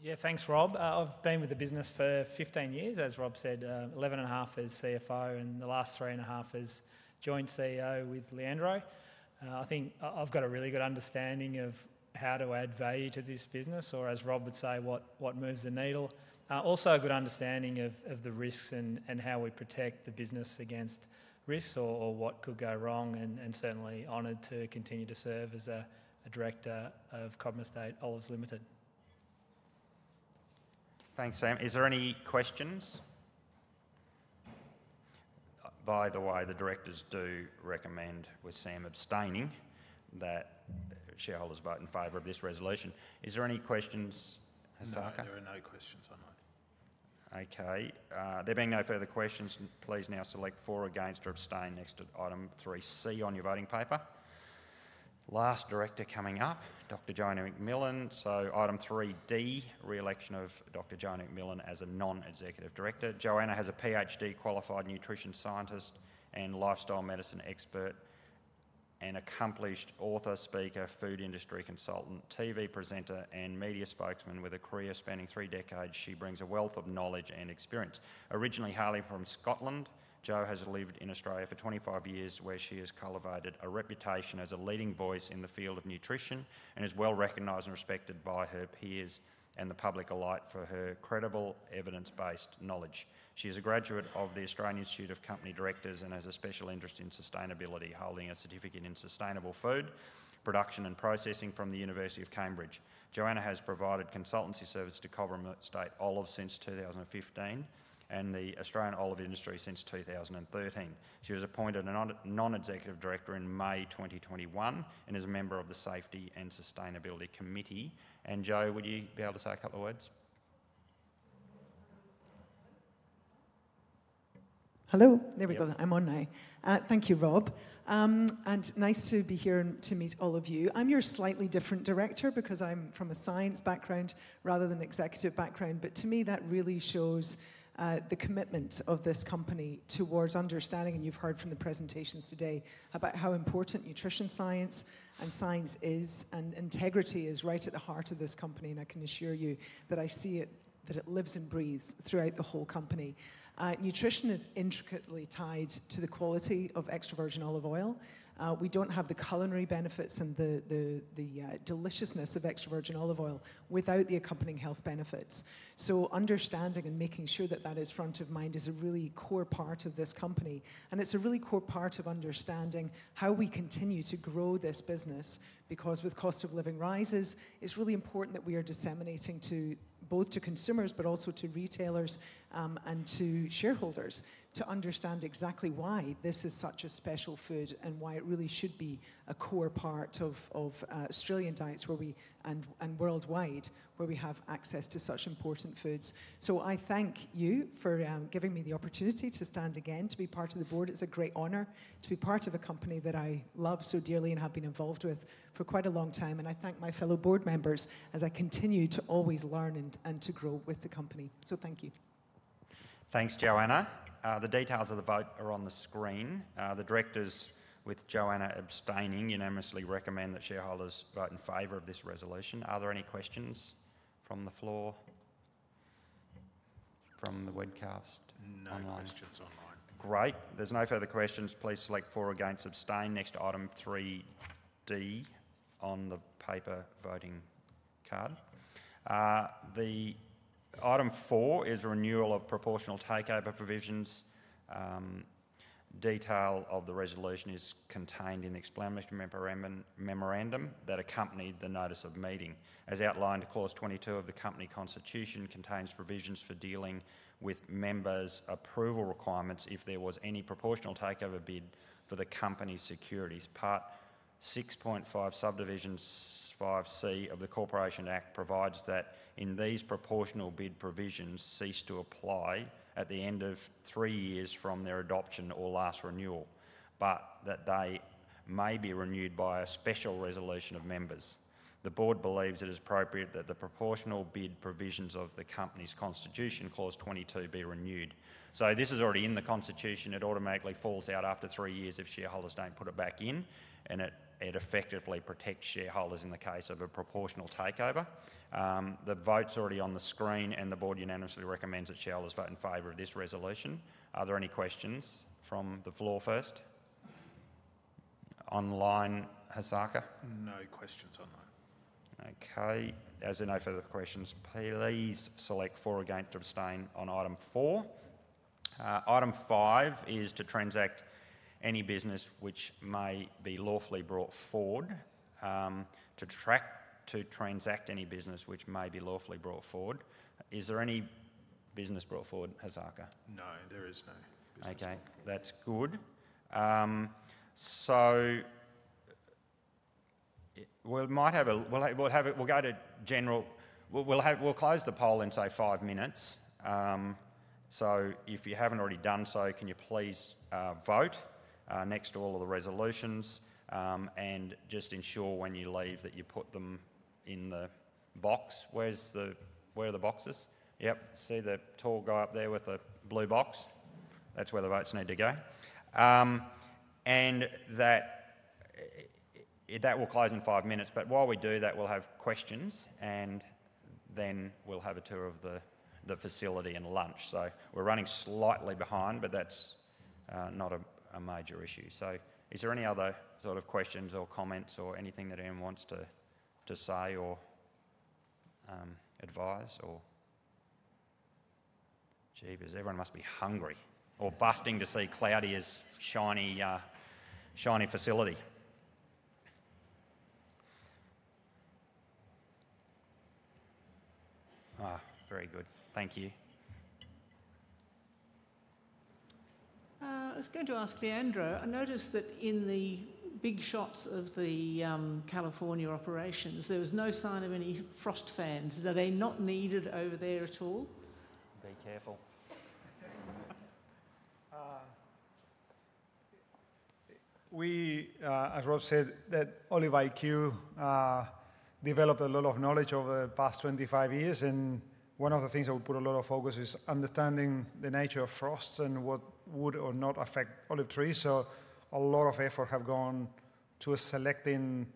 Yeah, thanks, Rob. I've been with the business for 15 years, as Rob said, 11 and a half as CFO, and the last three and a half as Joint CEO with Leandro. I think I've got a really good understanding of how to add value to this business, or as Rob would say, what moves the needle. Also a good understanding of the risks and how we protect the business against risks or what could go wrong, and certainly honored to continue to serve as a director of Cobram Estate Olives Limited. Thanks, Sam. Is there any questions? By the way, the directors do recommend, with Sam abstaining, that shareholders vote in favor of this resolution. Is there any questions, Hasaka? There are no questions online. Okay. There being no further questions, please now select for against or abstain next to item 3C on your voting paper. Last director coming up, Dr. Joanna McMillan. So item 3D, re-election of Dr. Joanna McMillan as a non-executive director. Joanna has a PhD, qualified nutrition scientist and lifestyle medicine expert, and accomplished author, speaker, food industry consultant, TV presenter, and media spokesman with a career spanning three decades. She brings a wealth of knowledge and experience. Originally hailing from Scotland, Jo has lived in Australia for 25 years, where she has cultivated a reputation as a leading voice in the field of nutrition and is well recognized and respected by her peers and the public alike for her credible, evidence-based knowledge. She is a graduate of the Australian Institute of Company Directors and has a special interest in sustainability, holding a certificate in sustainable food production and processing from the University of Cambridge. Joanna has provided consultancy service to Cobram Estate Olives since 2015 and the Australian olive industry since 2013. She was appointed a non-executive director in May 2021 and is a member of the Safety and Sustainability Committee. And Jo, would you be able to say a couple of words? Hello. There we go. I'm on now. Thank you, Rob. And nice to be here and to meet all of you. I'm your slightly different director because I'm from a science background rather than executive background, but to me, that really shows the commitment of this company towards understanding, and you've heard from the presentations today about how important nutrition science and science is, and integrity is right at the heart of this company. And I can assure you that I see it, that it lives and breathes throughout the whole company. Nutrition is intricately tied to the quality of extra virgin olive oil. We don't have the culinary benefits and the deliciousness of extra virgin olive oil without the accompanying health benefits. So understanding and making sure that that is front of mind is a really core part of this company. And it's a really core part of understanding how we continue to grow this business because with cost of living rises, it's really important that we are disseminating to both consumers, but also to retailers and to shareholders to understand exactly why this is such a special food and why it really should be a core part of Australian diets and worldwide where we have access to such important foods. So I thank you for giving me the opportunity to stand again to be part of the board. It's a great honor to be part of a company that I love so dearly and have been involved with for quite a long time. And I thank my fellow board members as I continue to always learn and to grow with the company. So thank you. Thanks, Joanna. The details of the vote are on the screen. The directors, with Joanna abstaining, unanimously recommend that shareholders vote in favor of this resolution. Are there any questions from the floor? From the webcast? No questions online. Great. There's no further questions. Please select for against abstain next to item 3D on the paper voting card. The item four is renewal of proportional takeover provisions. Detail of the resolution is contained in the explanatory memorandum that accompanied the notice of meeting. As outlined, clause 22 of the company constitution contains provisions for dealing with members' approval requirements if there was any proportional takeover bid for the company's securities. Part 6.5 subdivision 5C of the Corporations Act provides that these proportional bid provisions cease to apply at the end of three years from their adoption or last renewal, but that they may be renewed by a special resolution of members. The board believes it is appropriate that the proportional bid provisions of the company's constitution, clause 22, be renewed. So this is already in the constitution. It automatically falls out after three years if shareholders don't put it back in, and it effectively protects shareholders in the case of a proportional takeover. The vote's already on the screen, and the board unanimously recommends that shareholders vote in favor of this resolution. Are there any questions from the floor first? Online, Hasaka? No questions online. Okay. As there are no further questions, please select for, against, abstain on item four. Item five is to transact any business which may be lawfully brought forward, to transact any business which may be lawfully brought forward. Is there any business brought forward, Hasaka? No, there is no business brought forward. Okay. That's good. So we might have a we'll go to general we'll close the poll in, say, five minutes. So if you haven't already done so, can you please vote next to all of the resolutions and just ensure when you leave that you put them in the box. Where are the boxes? Yep. See the tall guy up there with the blue box? That's where the votes need to go. And that will close in five minutes. But while we do that, we'll have questions, and then we'll have a tour of the facility and lunch. So we're running slightly behind, but that's not a major issue. So is there any other sort of questions or comments or anything that anyone wants to say or advise or jeepers? Everyone must be hungry or busting to see Claudia's shiny facility. Very good. Thank you. It's good to ask Leandro. I noticed that in the big shots of the California operations, there was no sign of any frost fans. Are they not needed over there at all? Be careful. As Rob said, Olive.iQ developed a lot of knowledge over the past 25 years, and one of the things that we put a lot of focus on is understanding the nature of frosts and what would or not affect olive trees. So a lot of effort has gone to selecting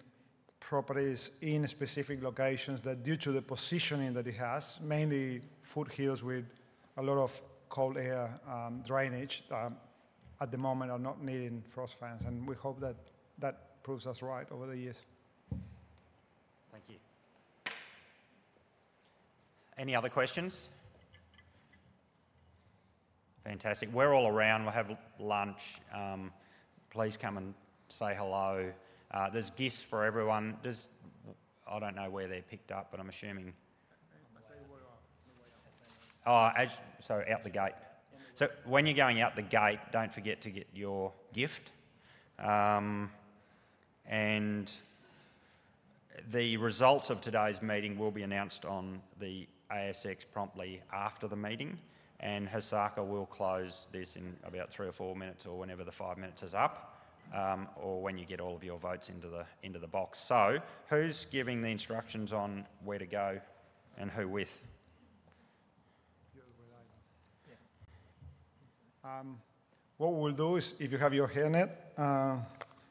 properties in specific locations that, due to the positioning that it has, mainly foothills with a lot of cold air drainage, at the moment are not needing frost fans. And we hope that that proves us right over the years. Thank you. Any other questions? Fantastic. We're all around. We'll have lunch. Please come and say hello. There's gifts for everyone. I don't know where they're picked up, but I'm assuming. I'm going to say, "Where are you?" Oh, so out the gate. So when you're going out the gate, don't forget to get your gift. And the results of today's meeting will be announced on the ASX promptly after the meeting. And Hasaka will close this in about three or four minutes or whenever the five minutes is up or when you get all of your votes into the box. So who's giving the instructions on where to go and who with? You're the way that I know. Yeah. What we'll do is, if you have your hairnet,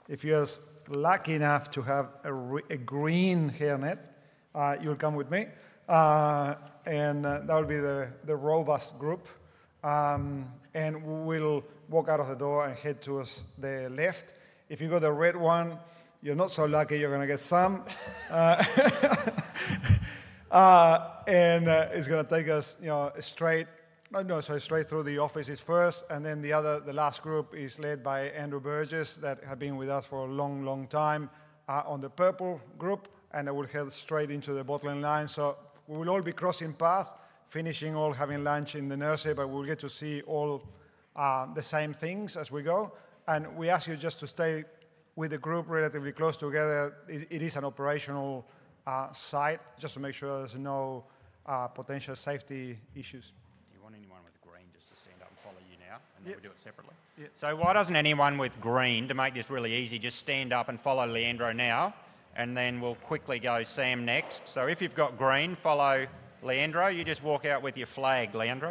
if you're lucky enough to have a green hairnet, you'll come with me. And that will be the robust group. And we'll walk out of the door and head towards the left. If you go the red one, you're not so lucky. You're going to get some. And it's going to take us straight no, sorry, straight through the offices first. And then the last group is led by Andrew Burgess that have been with us for a long, long time on the purple group. And it will head straight into the bottling line. So we will all be crossing paths, finishing all, having lunch in the nursery, but we'll get to see all the same things as we go. We ask you just to stay with the group relatively close together. It is an operational site just to make sure there's no potential safety issues. Do you want anyone with green just to stand up and follow you now and then we'll do it separately? Yeah. Why doesn't anyone with green, to make this really easy, just stand up and follow Leandro now, and then we'll quickly go Sam next. If you've got green, follow Leandro. You just walk out with your flag, Leandro.